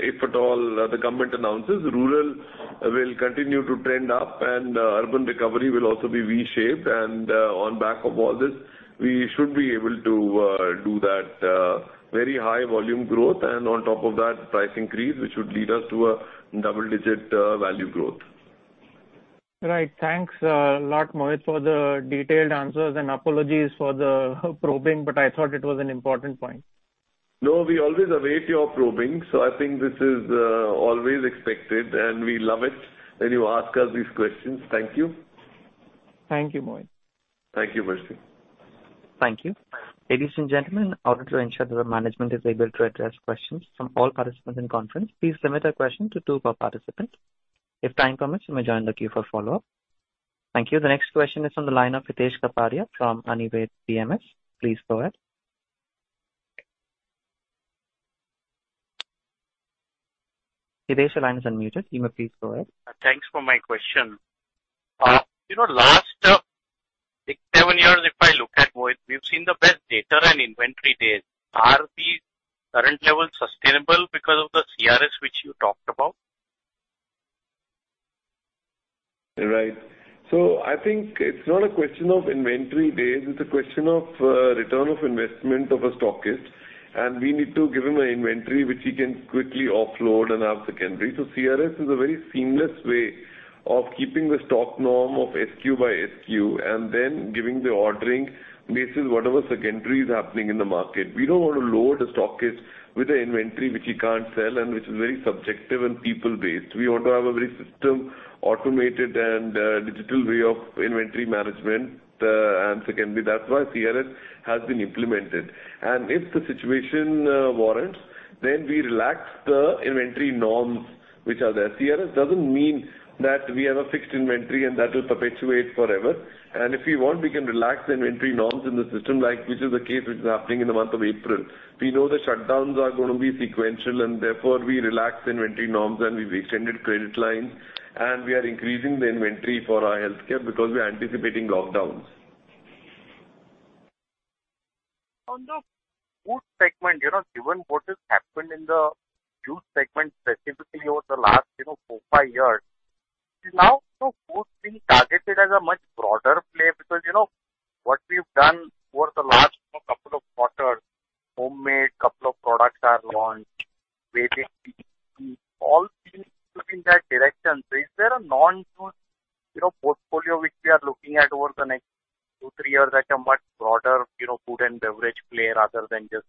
if at all the government announces, rural will continue to trend up and urban recovery will also be V-shaped. On back of all this, we should be able to do that very high volume growth, and on top of that, price increase, which should lead us to a double-digit value growth. Right. Thanks a lot, Mohit, for the detailed answers, and apologies for the probing, but I thought it was an important point. No, we always await your probing, so I think this is always expected, and we love it when you ask us these questions. Thank you. Thank you, Mohit. Thank you, Percy. Thank you. Ladies and gentlemen, in order to ensure that our management is able to address questions from all participants in the conference, please limit our question to two per participant. If time permits, you may join the queue for follow-up. Thank you. The next question is on the line of Prakash Kapadia from Anived PMS. Please go ahead. Hitesh, your line is unmuted. You may please go ahead. Thanks for my question. Last six, seven years, if I look at Mohit, we've seen the best debtor and inventory days. Are these current levels sustainable because of the CRS which you talked about? Right. I think it's not a question of inventory days, it's a question of return of investment of a stockist. We need to give him an inventory which he can quickly offload and have secondary. CRS is a very seamless way of keeping the stock norm of SKU by SKU, and then giving the ordering basis whatever secondary is happening in the market. We don't want to load a stockist with an inventory which he can't sell and which is very subjective and people-based. We want to have a very system, automated, and digital way of inventory management and secondary. That's why CRS has been implemented. If the situation warrants, then we relax the inventory norms which are there. CRS doesn't mean that we have a fixed inventory and that will perpetuate forever. If we want, we can relax the inventory norms in the system, like which is the case which is happening in the month of April. We know the shutdowns are going to be sequential. Therefore, we relax inventory norms. We've extended credit lines. We are increasing the inventory for our healthcare because we are anticipating lockdowns. On the food segment, given what has happened in the juice segment specifically over the last four, five years. Till now, food is being targeted as a much broader play because what we've done over the last couple of quarters, Hommade, couple of products are launched, all seems to be in that direction. Is there a non-food portfolio which we are looking at over the next two, three years as a much broader food and beverage player other than just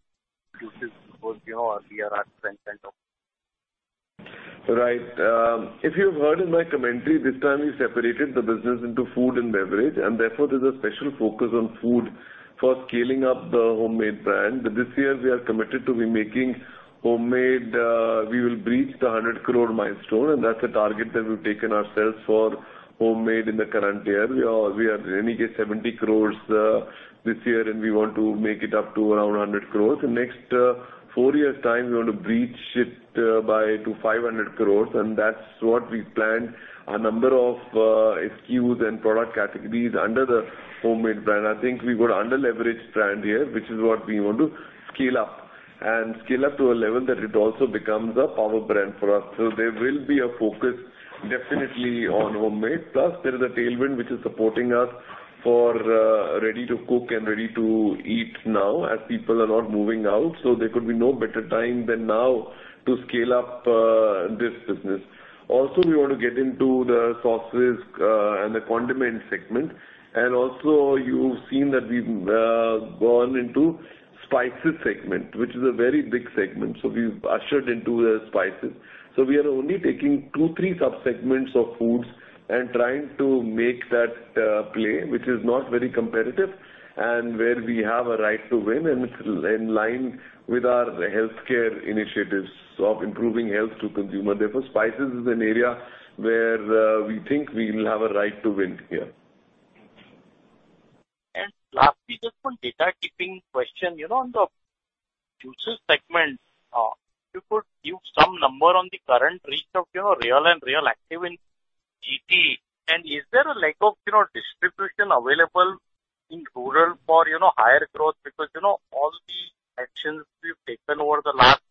juices because we are at strength? Right. If you've heard in my commentary, this time we separated the business into food and beverage. Therefore, there's a special focus on food for scaling up the Hommade brand. This year, we are committed to be making Hommade. We will breach the 100 crore milestone. That's a target that we've taken ourselves for Hommade in the current year. We are, in any case, 70 crores this year. We want to make it up to around 100 crore. In next four years' time, we want to breach it by to 500 crores. That's what we planned a number of SKUs and product categories under the Hommade brand. I think we got under-leveraged brand here, which is what we want to scale up, and scale up to a level that it also becomes a power brand for us. There will be a focus definitely on Hommade. There is a tailwind which is supporting us for ready-to-cook and ready-to-eat now as people are not moving out. There could be no better time than now to scale up this business. Also, we want to get into the sauces and the condiment segment. Also, you've seen that we've gone into spices segment, which is a very big segment. We've ushered into the spices. We are only taking two, three sub-segments of foods and trying to make that play, which is not very competitive, and where we have a right to win and it's in line with our healthcare initiatives of improving health to consumer. Therefore, spices is an area where we think we will have a right to win here. Just one data keeping question. On the juices segment, if you could give some number on the current reach of Réal and Réal Activ in GT. Is there a lack of distribution available in rural for higher growth? Because all the actions, we've taken over the last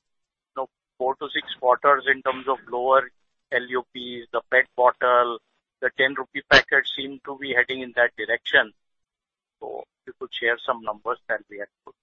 four to six quarters in terms of lower LUPs, the pet bottle, the 10 rupee packet seem to be heading in that direction. If you could share some numbers that we had put.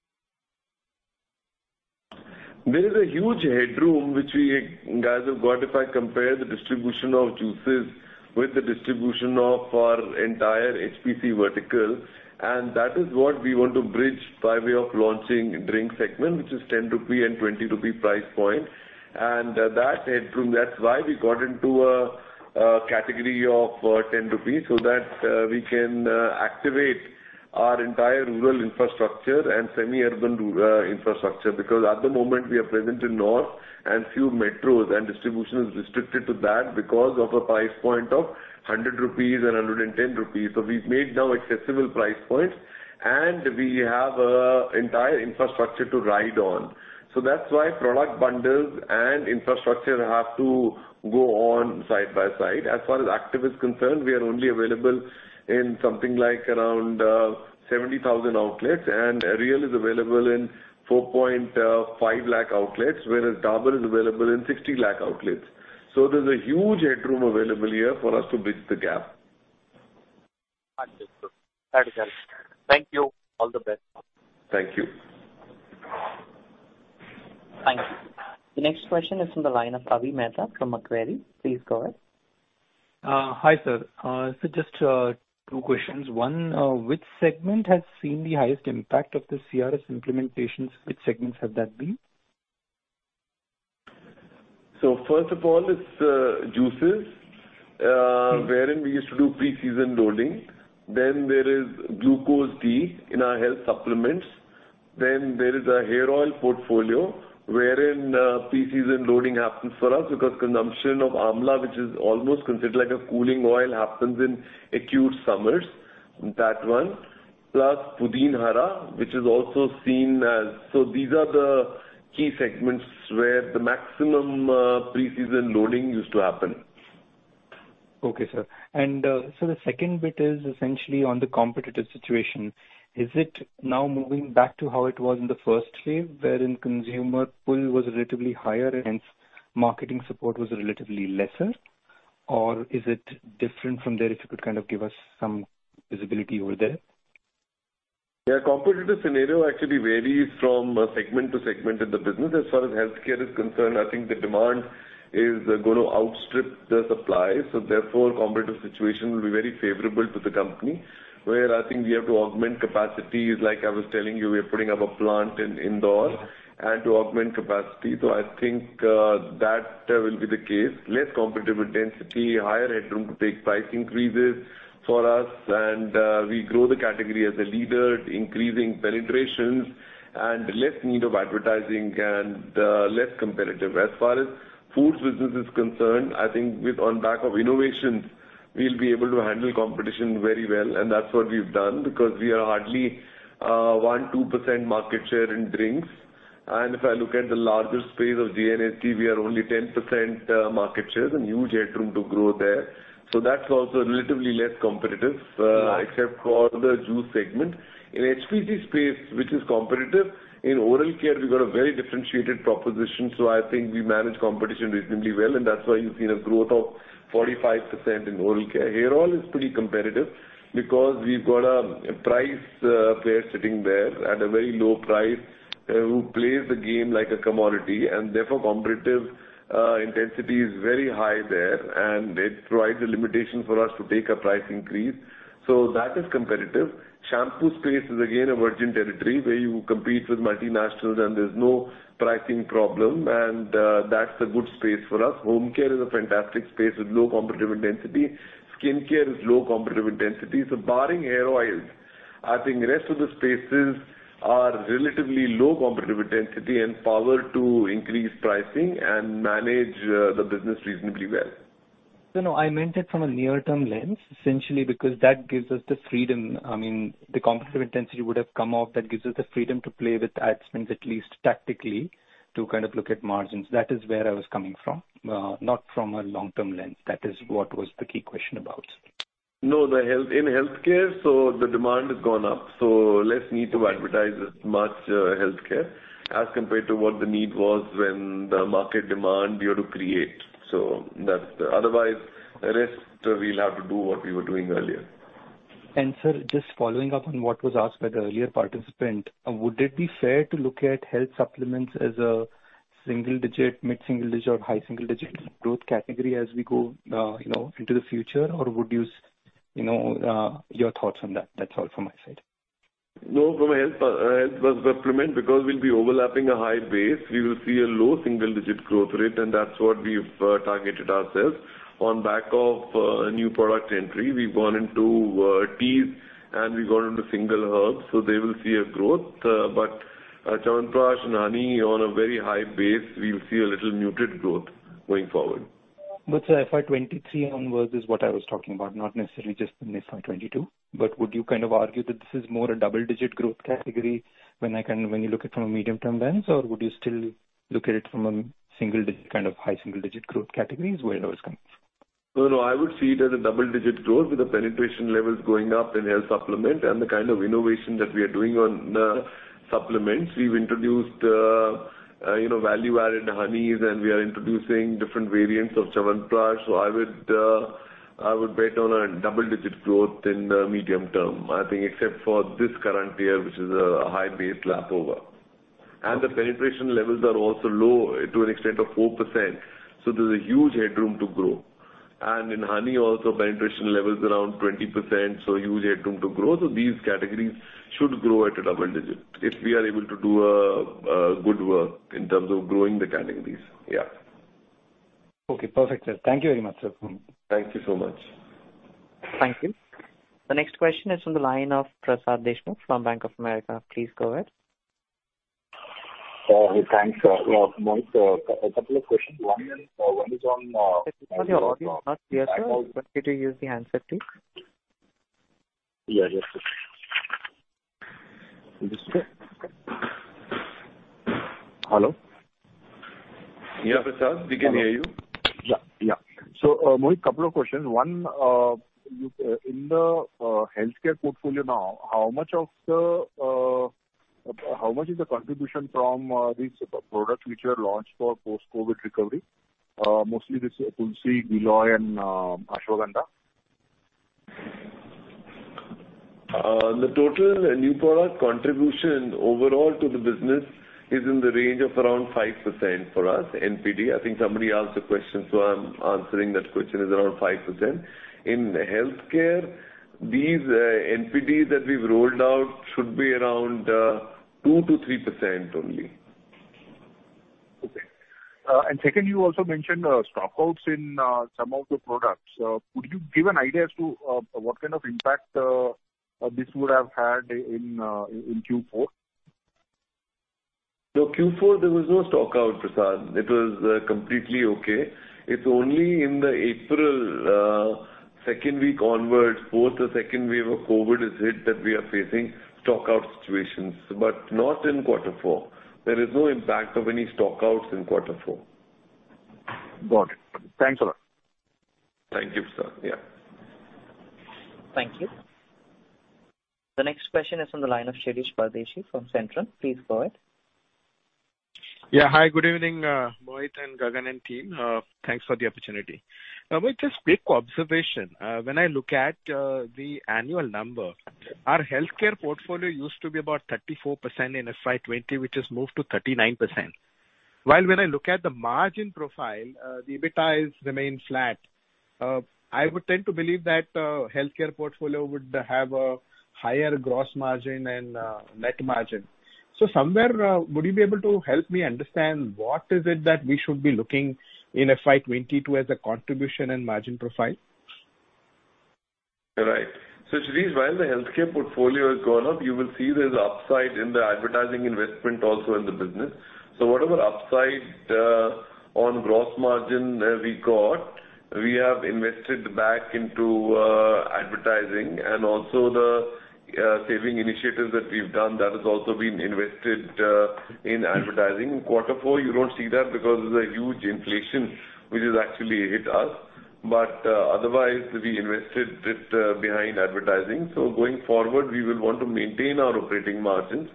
There is a huge headroom, which we guys have got if I compare the distribution of juices with the distribution of our entire HPC vertical. That is what we want to bridge by way of launching drink segment, which is 10 rupee and 20 rupee price point. That headroom, that is why we got into a category of 10 rupees, so that we can activate our entire rural infrastructure and semi-urban rural infrastructure. At the moment we are present in north and few metros, and distribution is restricted to that because of a price point of 100 rupees and 110 rupees. We have made now accessible price points, and we have an entire infrastructure to ride on. That is why product bundles and infrastructure have to go on side by side. As far as Activ is concerned, we are only available in something like around 70,000 outlets. Réal is available in 4.5 lakh outlets, whereas Dabur is available in 60 lakh outlets. There's a huge headroom available here for us to bridge the gap. Understood. Thank you. All the best. Thank you. Thank you. The next question is from the line of Avi Mehta from Macquarie. Please go ahead. Hi, sir. Sir, just two questions. One, which segment has seen the highest impact of the CRS implementations? Which segments have that been? First of all, it's juices, wherein we used to do pre-season loading. There is Glucose D in our health supplements. There is a hair oil portfolio wherein pre-season loading happens for us because consumption of Amla, which is almost considered like a cooling oil, happens in acute summers. That one. Plus, Pudin Hara. These are the key segments where the maximum pre-season loading used to happen. Okay, sir. Sir, the second bit is essentially on the competitive situation. Is it now moving back to how it was in the first wave, wherein consumer pull was relatively higher, and hence marketing support was relatively lesser? Is it different from there? If you could kind of give us some visibility over there. Yeah, competitive scenario actually varies from segment to segment in the business. As far as healthcare is concerned, I think the demand is going to outstrip the supply, so therefore, competitive situation will be very favorable to the company. Where I think we have to augment capacity is, like I was telling you, we are putting up a plant in Indore and to augment capacity. I think that will be the case. Less competitive intensity, higher headroom to take price increases for us, and we grow the category as a leader, increasing penetrations, and less need of advertising and less competitive. As far as foods business is concerned, I think with on back of innovations, we'll be able to handle competition very well, and that's what we've done, because we are hardly 1%-2% market share in drinks. If I look at the larger space of JNSD, we are only 10% market share. There's a huge headroom to grow there. That's also relatively less competitive, except for the juice segment. In HPC space, which is competitive, in oral care, we've got a very differentiated proposition, so I think we manage competition reasonably well, and that's why you've seen a growth of 45% in oral care. Hair oil is pretty competitive because we've got a price player sitting there at a very low price who plays the game like a commodity, and therefore competitive intensity is very high there, and it provides a limitation for us to take a price increase. That is competitive. Shampoo space is again a virgin territory where you compete with multinationals and there's no pricing problem, and that's a good space for us. Home care is a fantastic space with low competitive intensity. Skin care is low competitive intensity. Barring hair oils, I think rest of the spaces are relatively low competitive intensity and power to increase pricing and manage the business reasonably well. No, I meant it from a near-term lens, essentially because that gives us the freedom. I mean, the competitive intensity would have come off. That gives us the freedom to play with ad spends, at least tactically, to kind of look at margins. That is where I was coming from. Not from a long-term lens. That is what was the key question about. In healthcare, the demand has gone up, less need to advertise as much healthcare as compared to what the need was when the market demand you had to create. Otherwise, rest we'll have to do what we were doing earlier. Sir, just following up on what was asked by the earlier participant, would it be fair to look at health supplements as a single digit, mid-single digit, or high single-digit growth category as we go into the future? Your thoughts on that. That's all from my side. No, from a health supplement, because we'll be overlapping a high base, we will see a low single-digit growth rate, and that's what we've targeted ourselves. On back of new product entry, we've gone into teas and we've gone into single herbs, they will see a growth. Chyawanprash and honey on a very high base, we'll see a little muted growth going forward. Sir, FY 2023 onwards is what I was talking about, not necessarily just in FY 2022. Would you argue that this is more a double-digit growth category when you look it from a medium-term lens? Would you still look at it from a high single-digit growth category is where I was coming from. I would see it as a double-digit growth with the penetration levels going up in health supplement and the kind of innovation that we are doing on supplements. We've introduced value-added honeys, and we are introducing different variants of Chyawanprash. I would bet on a double-digit growth in the medium term, I think except for this current year, which is a high base lap over. The penetration levels are also low to an extent of 4%, so there's a huge headroom to grow. In honey also, penetration levels around 20%, so huge headroom to grow. These categories should grow at a double digit. If we are able to do good work in terms of growing the categories. Yeah. Okay, perfect, sir. Thank you very much, sir. Thank you so much. Thank you. The next question is from the line of Prasad Deshmukh from Bank of America. Please go ahead. Thanks, Mohit. A couple of questions. One is. Prasad, your audio is not clear, sir. Could you use the handset, please? Yeah, just a second. Hello? Yeah, Prasad, we can hear you. Mohit, couple of questions. One, in the healthcare portfolio now, how much is the contribution from these products which were launched for post-COVID recovery, mostly this Tulsi, Giloy, and Ashwagandha? The total new product contribution overall to the business is in the range of around 5% for us, NPD. I think somebody asked the question, so I'm answering that question, is around 5%. In healthcare, these NPDs that we've rolled out should be around 2%-3% only. Okay. Second, you also mentioned stock-outs in some of the products. Could you give an idea as to what kind of impact this would have had in Q4? No, Q4, there was no stock-out, Prasad. It was completely okay. It is only in the April second week onwards, post the second wave of COVID has hit, that we are facing stock-out situations, but not in quarter four. There is no impact of any stock-outs in quarter four. Got it. Thanks a lot. Thank you, Prasad. Yeah. Thank you. The next question is on the line of Shirish Pardeshi from Centrum. Please go ahead. Yeah. Hi, good evening, Mohit and Gagan and team. Thanks for the opportunity. Mohit, just quick observation. When I look at the annual number, our healthcare portfolio used to be about 34% in FY 2020, which has moved to 39%. While when I look at the margin profile, the EBITDA has remained flat. I would tend to believe that healthcare portfolio would have a higher gross margin and net margin. Somewhere, would you be able to help me understand what is it that we should be looking in FY 2022 as a contribution and margin profile? Right. Shirish, while the healthcare portfolio has gone up, you will see there's upside in the advertising investment also in the business. Whatever upside on gross margin we got, we have invested back into advertising and also the saving initiatives that we've done, that has also been invested in advertising. Quarter four, you don't see that because there's a huge inflation which has actually hit us. Otherwise, we invested it behind advertising. Going forward, we will want to maintain our operating margins,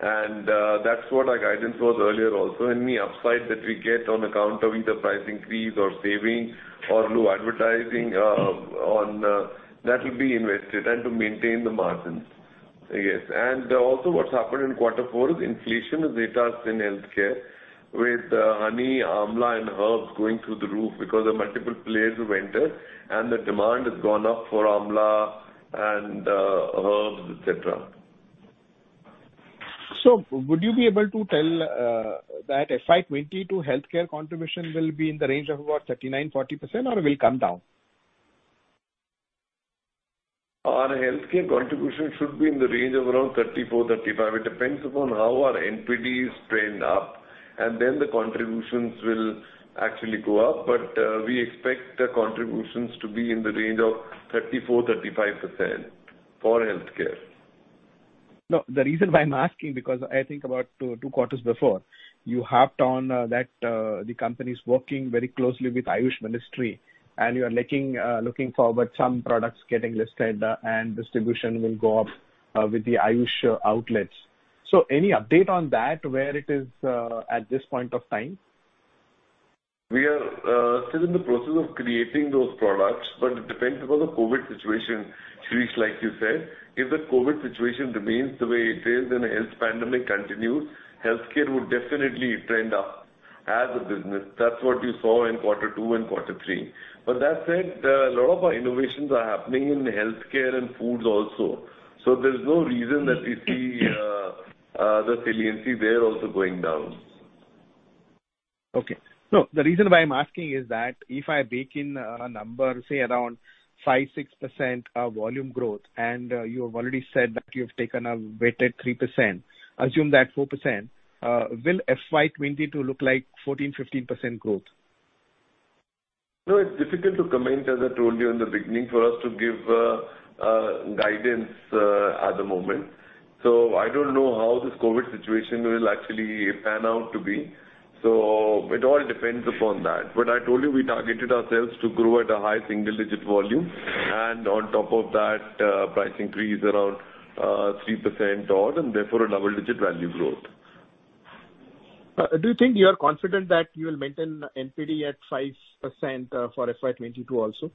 and that's what our guidance was earlier also. Any upside that we get on account of either price increase or savings or low advertising, that will be invested and to maintain the margins. Yes. Also what's happened in quarter four is inflation has hit us in healthcare with honey, amla, and herbs going through the roof because of multiple players who entered, and the demand has gone up for amla and herbs, et cetera. Would you be able to tell that FY 2022 healthcare contribution will be in the range of about 39%-40%, or it will come down? Our healthcare contribution should be in the range of around 34%-35%. It depends upon how our NPD is trained up, and then the contributions will actually go up. We expect the contributions to be in the range of 34%-35% for healthcare. The reason why I'm asking, because I think about two quarters before, you harped on that the company's working very closely with AYUSH Ministry, and you are looking forward some products getting listed, and distribution will go up with the AYUSH outlets. Any update on that, where it is at this point of time? We are still in the process of creating those products, but it depends upon the COVID situation, Shirish, like you said. If the COVID situation remains the way it is and this pandemic continues, healthcare would definitely trend up as a business. That's what you saw in quarter two and quarter three. That said, a lot of our innovations are happening in healthcare and foods also. There's no reason that we see the saliency there also going down. Okay. No, the reason why I'm asking is that if I bake in a number, say around 5%, 6% volume growth, and you have already said that you've taken a weighted 3%, assume that 4%, will FY 2022 look like 14%, 15% growth? It's difficult to comment, as I told you in the beginning, for us to give guidance at the moment. I don't know how this COVID situation will actually pan out to be. It all depends upon that. I told you, we targeted ourselves to grow at a high single-digit volume. On top of that, price increase around 3% odd, and therefore a double-digit value growth. Do you think you are confident that you will maintain NPD at 5% for FY 2022 also?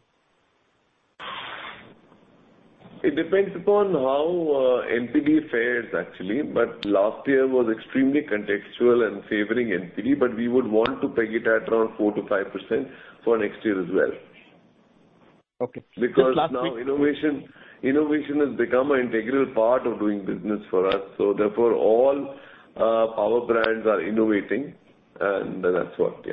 It depends upon how NPD fares, actually. Last year was extremely contextual and favoring NPD, but we would want to peg it at around 4%-5% for next year as well. Okay. Now innovation has become an integral part of doing business for us. Therefore, all our power brands are innovating, and that's what.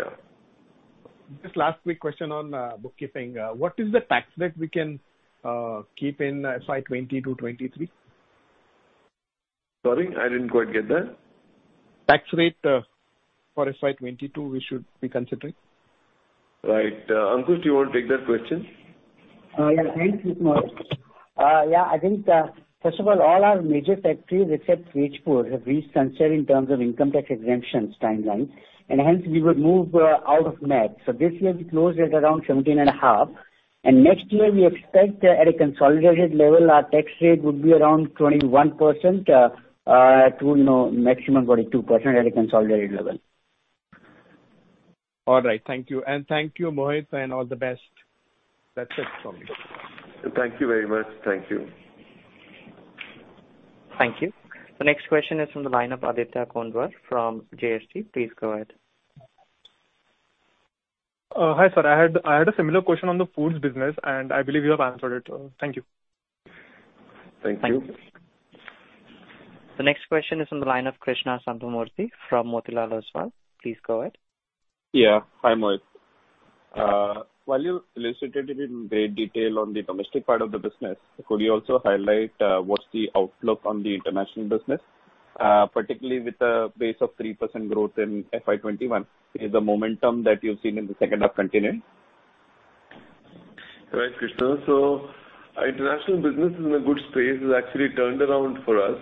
Just last quick question on bookkeeping. What is the tax rate we can keep in FY 2022, 2023? Sorry, I didn't quite get that. Tax rate for FY 2022 we should be considering. Right. Ankush, do you want to take that question? Thanks, Mohit. I think, first of all our major factories, except H4, have reached sunset in terms of income tax exemptions timeline, hence we would move out of net. This year we closed at around 17.5%, next year we expect at a consolidated level, our tax rate would be around 21%-22% at a consolidated level. All right. Thank you. Thank you, Mohit, and all the best. That's it from me. Thank you very much. Thank you. Thank you. The next question is from the line of Aditya Kondawar from JST. Please go ahead. Hi, sir. I had a similar question on the foods business, and I believe you have answered it. Thank you. Thank you. Thank you. The next question is from the line of Krishnan Sambamoorthy from Motilal Oswal. Please go ahead. Yeah. Hi, Mohit. While you elucidated in great detail on the domestic part of the business, could you also highlight what's the outlook on the international business, particularly with a base of 3% growth in FY 2021? Is the momentum that you've seen in the second half continuing? Right, Krishnan Sambamoorthy. International business is in a good space. It's actually turned around for us.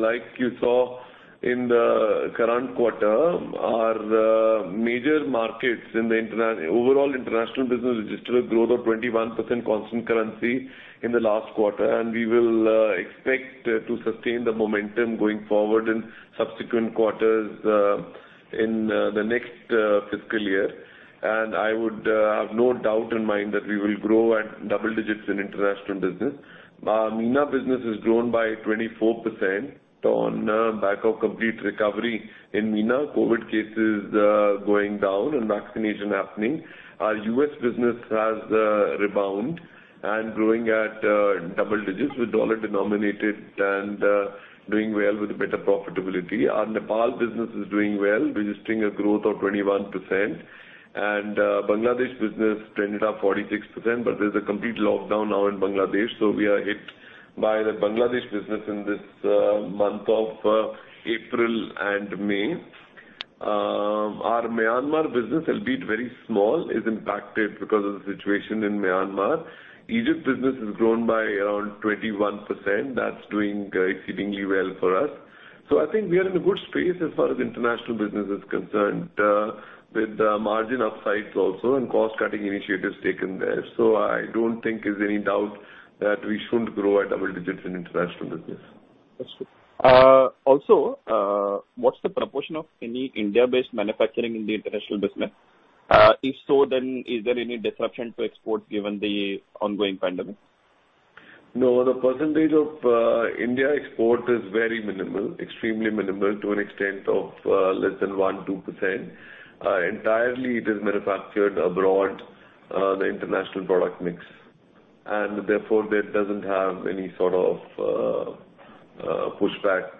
Like you saw in the current quarter, our major markets in the overall international business registered a growth of 21% constant currency in the last quarter, and we will expect to sustain the momentum going forward in subsequent quarters in the next fiscal year. I would have no doubt in mind that we will grow at double digits in international business. Our MENA business has grown by 24% on the back of complete recovery in MENA. COVID cases going down and vaccination happening. Our U.S. business has rebound and growing at double digits with dollar denominated and doing well with better profitability. Our Nepal business is doing well, registering a growth of 21%. Bangladesh business trended up 46%, but there's a complete lockdown now in Bangladesh, so we are hit by the Bangladesh business in this month of April and May. Our Myanmar business, albeit very small, is impacted because of the situation in Myanmar. Egypt business has grown by around 21%. That's doing exceedingly well for us. I think we are in a good space as far as international business is concerned, with margin upsides also and cost-cutting initiatives taken there. I don't think there's any doubt that we shouldn't grow at double digits in international business. That's good. Also, what's the proportion of any India-based manufacturing in the international business? If so, is there any disruption to exports given the ongoing pandemic? No, the percentage of India export is very minimal, extremely minimal to an extent of less than 1%, 2%. Entirely, it is manufactured abroad, the international product mix. Therefore, that doesn't have any sort of pushback.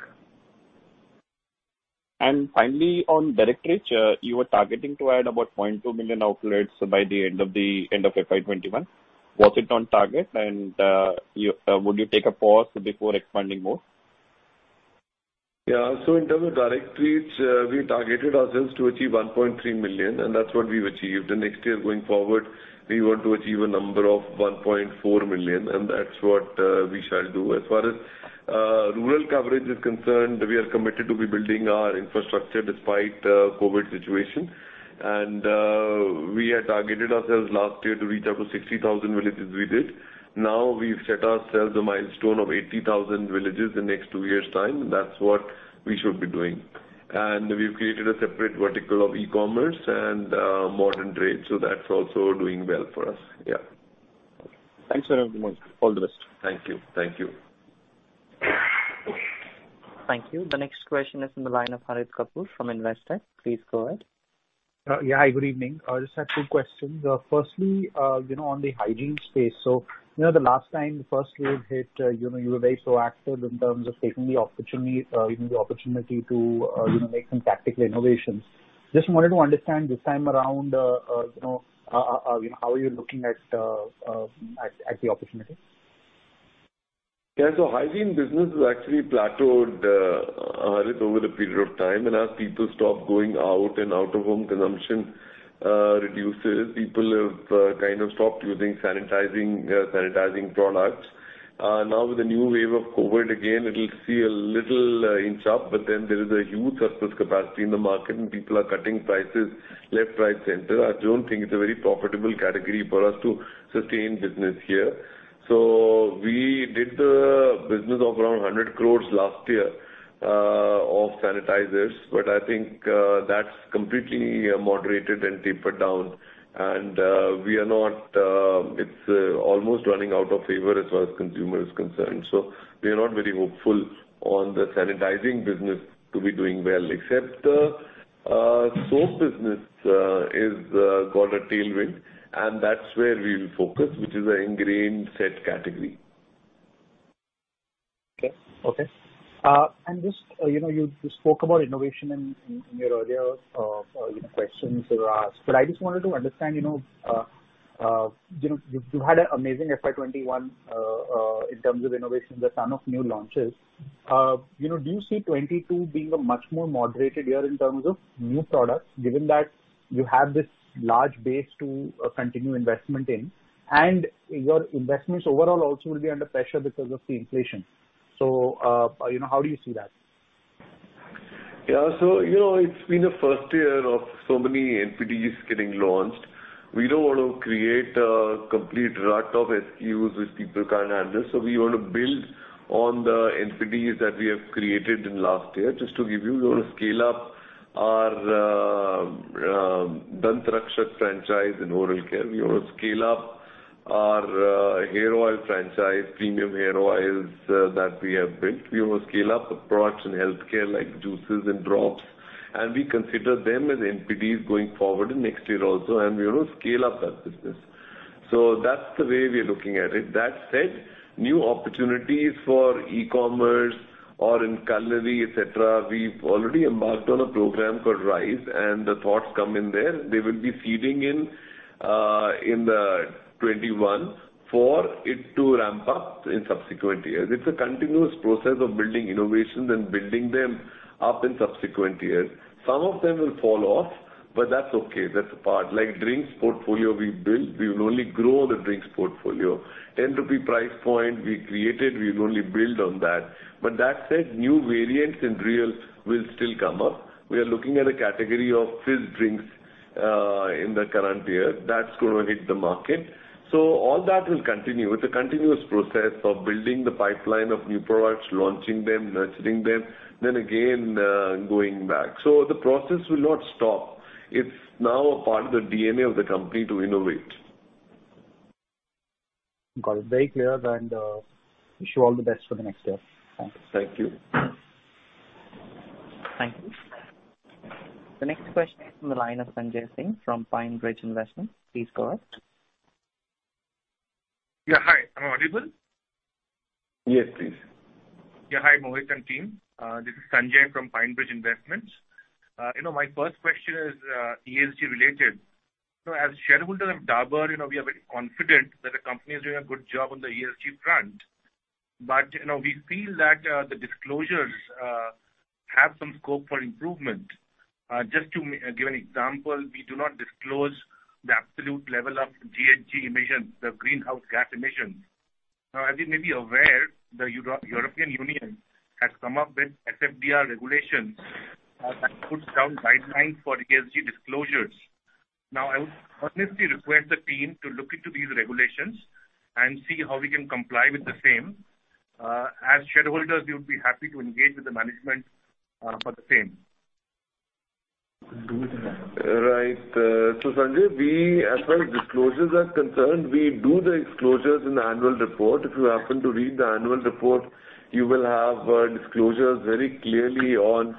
Finally, on direct reach, you were targeting to add about 0.2 million outlets by the end of FY 2021. Was it on target, and would you take a pause before expanding more? Yeah. In terms of direct reach, we targeted ourselves to achieve 1.3 million, and that's what we've achieved. Next year, going forward, we want to achieve a number of 1.4 million, and that's what we shall do. As far as rural coverage is concerned, we are committed to rebuilding our infrastructure despite COVID situation. We had targeted ourselves last year to reach up to 60,000 villages. We did. Now we've set ourselves a milestone of 80,000 villages in next two years' time, and that's what we should be doing. We've created a separate vertical of e-commerce and modern trade, so that's also doing well for us. Yeah. Thanks very much. All the best. Thank you. Thank you. The next question is from the line of Harit Kapoor from Investec. Please go ahead. Yeah. Good evening. I just had two questions. Firstly, on the hygiene space. The last time the first wave hit, you were very proactive in terms of taking the opportunity to make some tactical innovations. Just wanted to understand this time around, how are you looking at the opportunity? Yeah. Hygiene business has actually plateaued, Harit, over the period of time. As people stop going out and out-of-home consumption reduces, people have kind of stopped using sanitizing products. Now with the new wave of COVID again, it'll see a little inch up, there is a huge surplus capacity in the market, and people are cutting prices left, right, center. I don't think it's a very profitable category for us to sustain business here. We did the business of around 100 crore last year of sanitizers, but I think that's completely moderated and tapered down. It's almost running out of favor as far as consumer is concerned. We are not very hopeful on the sanitizing business to be doing well, except soap business got a tailwind, and that's where we'll focus, which is an ingrained set category. Okay. You spoke about innovation in your earlier questions you were asked, but I just wanted to understand, you've had an amazing FY 2021 in terms of innovation, the ton of new launches. Do you see 2022 being a much more moderated year in terms of new products, given that you have this large base to continue investment in, and your investments overall also will be under pressure because of the inflation? How do you see that? Yeah. It's been a first year of so many NPDs getting launched. We don't want to create a complete rut of SKUs which people can't handle. We want to build on the NPDs that we have created in last year. Just to give you, we want to scale up our Dant Rakshak franchise in oral care. We want to scale up our hair oil franchise, premium hair oils that we have built. We want to scale up approach in healthcare, like juices and drops, and we consider them as NPDs going forward in next year also, and we want to scale up that business. That's the way we are looking at it. That said, new opportunities for e-commerce or in culinary, et cetera, we've already embarked on a program called Rise, and the thoughts come in there. They will be seeding in 2021 for it to ramp up in subsequent years. It's a continuous process of building innovations and building them up in subsequent years. Some of them will fall off, but that's okay, that's a part. Like drinks portfolio we built, we will only grow the drinks portfolio. 10 rupee price point we created, we'll only build on that. That said, new variants in Réal will still come up. We are looking at a category of fizz drinks in the current year. That's going to hit the market. All that will continue. It's a continuous process of building the pipeline of new products, launching them, nurturing them, then again going back. The process will not stop. It's now a part of the DNA of the company to innovate. Got it. Very clear. Wish you all the best for the next year. Thanks. Thank you. Thank you. The next question is from the line of Sanjay Singh from PineBridge Investments. Please go ahead. Yeah. Hi. Am I audible? Yes, please. Hi, Mohit and team. This is Sanjay from PineBridge Investments. My first question is ESG related. As shareholders of Dabur, we are very confident that the company is doing a good job on the ESG front. We feel that the disclosures have some scope for improvement. Just to give an example, we do not disclose the absolute level of GHG emissions, the greenhouse gas emissions. As you may be aware, the European Union has come up with SFDR regulations that puts down guidelines for ESG disclosures. I would honestly request the team to look into these regulations and see how we can comply with the same. As shareholders, we would be happy to engage with the management for the same. Right. Sanjay, as far as disclosures are concerned, we do the disclosures in the annual report. If you happen to read the annual report, you will have disclosures very clearly on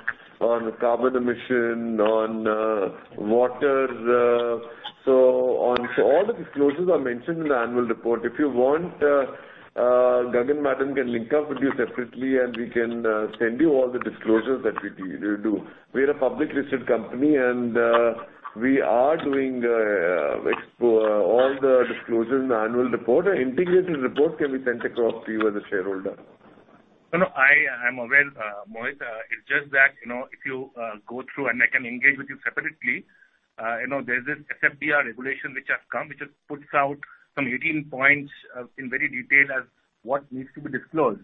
carbon emission, on water. All the disclosures are mentioned in the annual report. If you want, Gagan madam can link up with you separately, and we can send you all the disclosures that we do. We're a public listed company, and we are doing all the disclosures in the annual report. An integrated report can be sent across to you as a shareholder. No, no, I am aware, Mohit. It is just that, if you go through, and I can engage with you separately, there is this SFDR regulation which has come, which just puts out some 18 points in very detail as what needs to be disclosed.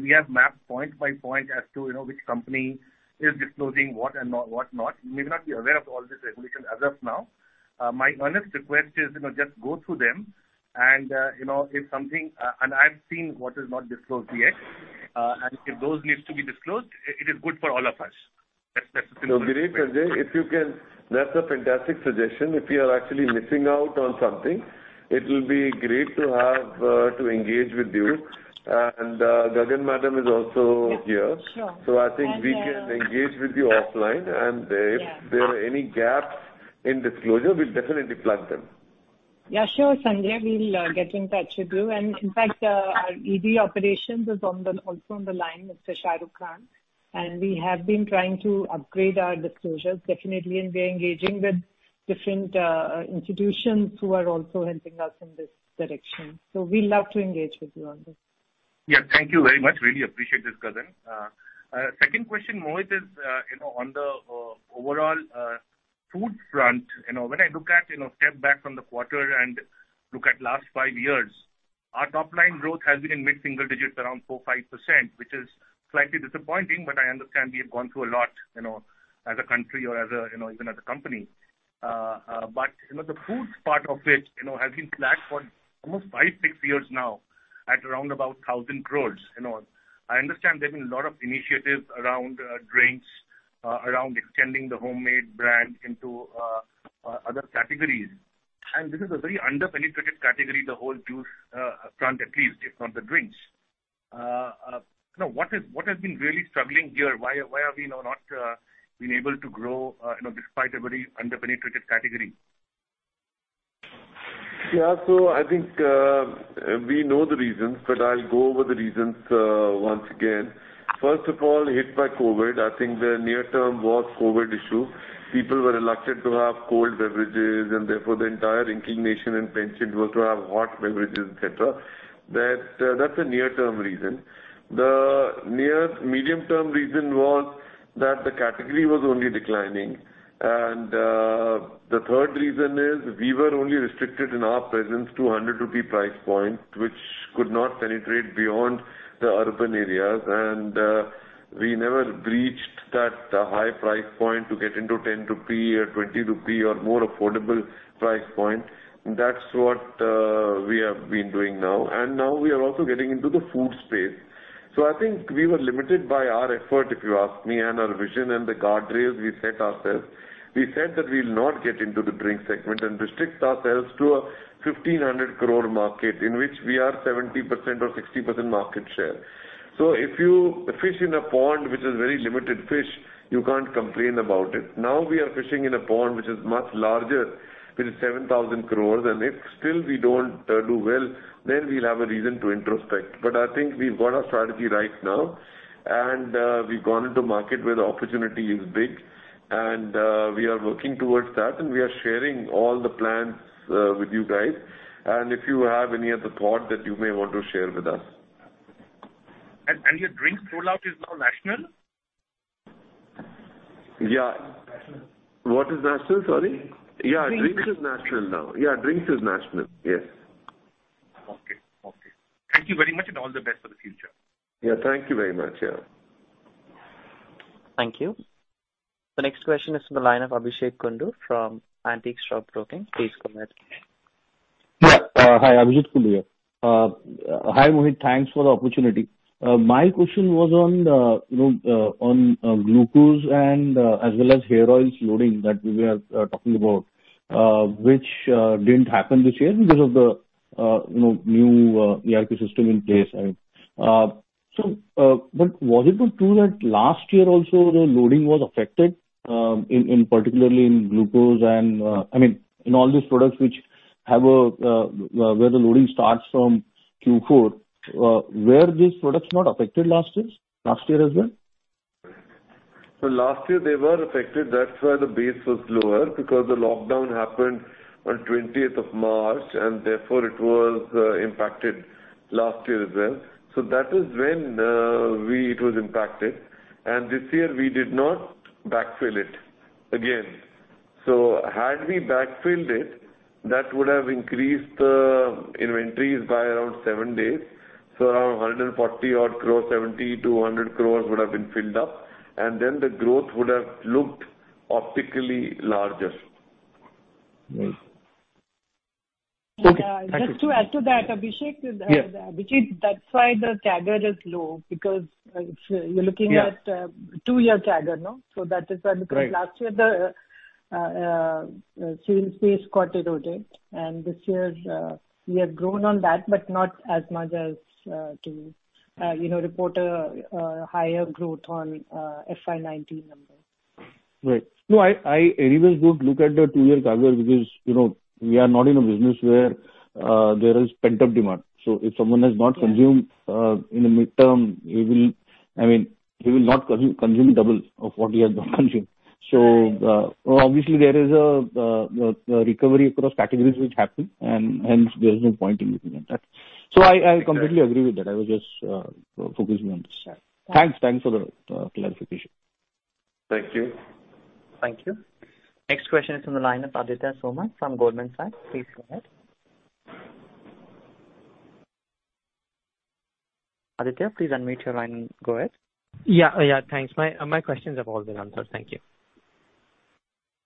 We have mapped point by point as to which company is disclosing what and what not. You may not be aware of all these regulations as of now. My honest request is, just go through them. I have seen what is not disclosed yet. If those needs to be disclosed, it is good for all of us. That is the simple request. Great, Sanjay. That's a fantastic suggestion. If we are actually missing out on something, it will be great to engage with you. Gagan madam is also here. Yeah, sure. I think we can engage with you offline, and if there are any gaps in disclosure, we'll definitely plug them. Yeah, sure, Sanjay. We'll get in touch with you. In fact, our ED Operations is also on the line, Mr. Shahrukh Khan. We have been trying to upgrade our disclosures, definitely, and we are engaging with different institutions who are also helping us in this direction. We love to engage with you on this. Yeah, thank you very much. Really appreciate this, Gagan. Second question, Mohit, is on the overall foods front. When I step back from the quarter and look at last five years, our top-line growth has been in mid-single digits, around 4%-5%, which is slightly disappointing. I understand we have gone through a lot as a country or even as a company. The foods part of it has been flat for almost five, six years now at around about 1,000 crores. I understand there have been a lot of initiatives around drinks, around extending the Hommade brand into other categories. This is a very under-penetrated category, the whole juice front, at least, if not the drinks. What has been really struggling here? Why have we not been able to grow despite a very under-penetrated category? I think we know the reasons, but I'll go over the reasons once again. First of all, hit by COVID. I think the near term was COVID issue. People were reluctant to have cold beverages, and therefore the entire inclination and penchant was to have hot beverages, et cetera. That's a near-term reason. The near medium-term reason was that the category was only declining, and the third reason is we were only restricted in our presence to 100 rupee price point, which could not penetrate beyond the urban areas. We never breached that high price point to get into 10 rupee or 20 rupee or more affordable price point. That's what we have been doing now, and now we are also getting into the food space. I think we were limited by our effort, if you ask me, and our vision and the guardrails we set ourselves. We said that we'll not get into the drink segment and restrict ourselves to a 1,500 crore market in which we are 70% or 60% market share. If you fish in a pond which is very limited fish, you can't complain about it. Now we are fishing in a pond which is much larger, which is 7,000 crore, and if still we don't do well, then we'll have a reason to introspect. I think we've got our strategy right now, and we've gone into a market where the opportunity is big, and we are working towards that, and we are sharing all the plans with you guys. If you have any other thought that you may want to share with us. Your drinks rollout is now national? What is national, sorry? Drinks is national now. Drinks is national. Yes. Okay. Thank you very much. All the best for the future. Yeah, thank you very much. Yeah. Thank you. The next question is from the line of Abhijeet Kundu from Antique Stock Broking. Please go ahead. Yeah. Hi, Abhijeet Kundu here. Hi, Mohit. Thanks for the opportunity. My question was on glucose and as well as hair oils loading that we were talking about, which didn't happen this year because of the new ERP system in place. Was it true that last year also the loading was affected, particularly in glucose and in all these products where the loading starts from Q4? Were these products not affected last year as well? Last year they were affected. That's why the base was lower, because the lockdown happened on 20th of March, and therefore it was impacted last year as well. That is when it was impacted, and this year we did not backfill it again. Had we backfilled it, that would have increased the inventories by around seven days. Around 140 crore, 70 crore-100 crore would have been filled up, the growth would have looked optically larger. Right. Okay. Thank you. Just to add to that, Abhijeet. Yeah. Abhijeet, that's why the CAGR is low, because you're looking at two-year CAGR, no? That is why, because last year and this year we have grown on that, but not as much as to report a higher growth on FY 2019 numbers. Right. No, I anyways don't look at the two-year CAGR because we are not in a business where there is pent-up demand. If someone has not consumed in the mid-term, he will not consume double of what he has not consumed. Obviously, there is a recovery across categories which happened, and hence there's no point in looking at that. I completely agree with that. I was just focusing on this. Thanks for the clarification. Thank you. Thank you. Next question is from the line of Aditya Soman from Goldman Sachs. Please go ahead. Aditya, please unmute your line and go ahead. Yeah, thanks. My questions have all been answered. Thank you.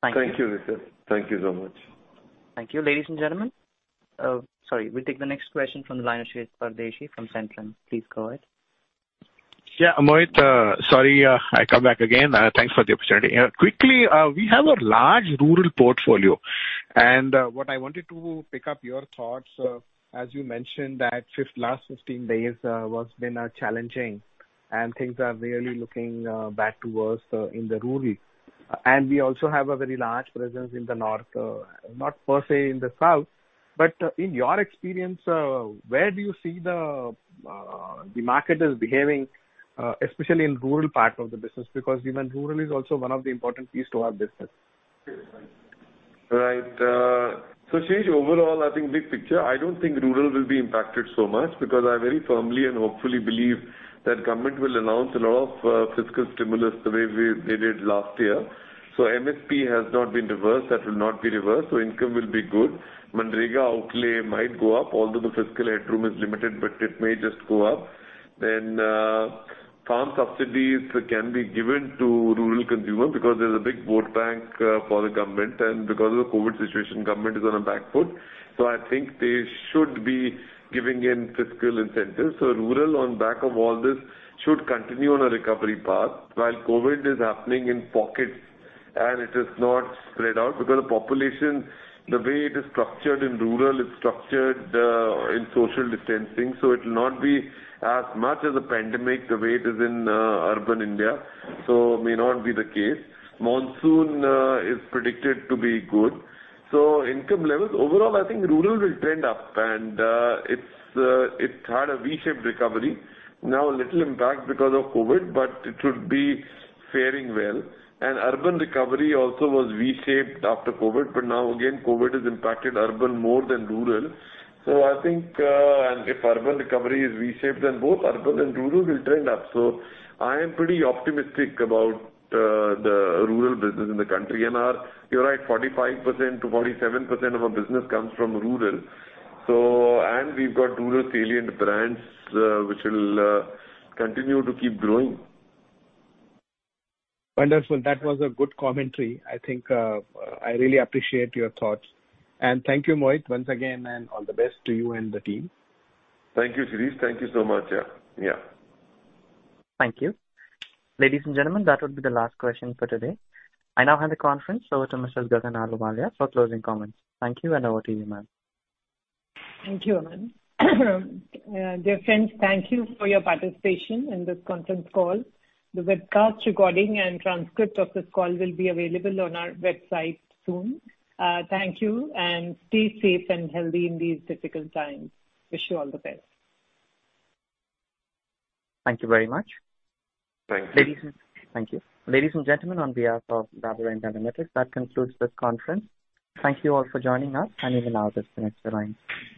Thank you, Aditya. Thank you so much. Thank you. Ladies and gentlemen. Sorry. We'll take the next question from the line of Shirish Pardeshi from Centrum. Please go ahead. Yeah, Mohit, sorry, I come back again. Thanks for the opportunity. Quickly, we have a large rural portfolio. What I wanted to pick up your thoughts, as you mentioned, that last 15 days was been challenging and things are really looking bad to us in the rural. We also have a very large presence in the north, not per se in the south. In your experience, where do you see the market is behaving, especially in rural part of the business? Even rural is also one of the important piece to our business. Right. Shirish, overall, I think big picture, I don't think rural will be impacted so much because I very firmly and hopefully believe that government will announce a lot of fiscal stimulus the way they did last year. MSP has not been reversed. That will not be reversed, so income will be good. MGNREGA outlay might go up, although the fiscal headroom is limited, but it may just go up. Farm subsidies can be given to rural consumers because there's a big vote bank for the government, and because of the COVID situation, government is on the back foot. I think they should be giving in fiscal incentives. Rural, on back of all this, should continue on a recovery path while COVID is happening in pockets and it has not spread out because the population, the way it is structured in rural is structured in social distancing. It will not be as much as a pandemic the way it is in urban India. May not be the case. Monsoon is predicted to be good. Income levels, overall, I think rural will trend up and it's had a V-shaped recovery. Now a little impact because of COVID, but it should be fairing well. Urban recovery also was V-shaped after COVID, but now again, COVID has impacted urban more than rural. I think if urban recovery is V-shaped, then both urban and rural will trend up. I am pretty optimistic about the rural business in the country. You're right, 45%-47% of our business comes from rural. We've got rural salient brands which will continue to keep growing. Wonderful. That was a good commentary. I really appreciate your thoughts. Thank you, Mohit, once again, and all the best to you and the team. Thank you, Shirish. Thank you so much. Yeah. Thank you. Ladies and gentlemen, that would be the last question for today. I now hand the conference over to Ms. Gagan Ahluwalia for closing comments. Thank you, and over to you, ma'am. Thank you, Aman. Dear friends, thank you for your participation in this conference call. The webcast recording and transcript of this call will be available on our website soon. Thank you, and stay safe and healthy in these difficult times. Wish you all the best. Thank you very much. Thank you. Thank you. Ladies and gentlemen, on behalf of Dabur India Limited, that concludes this conference. Thank you all for joining us. You may now disconnect your lines.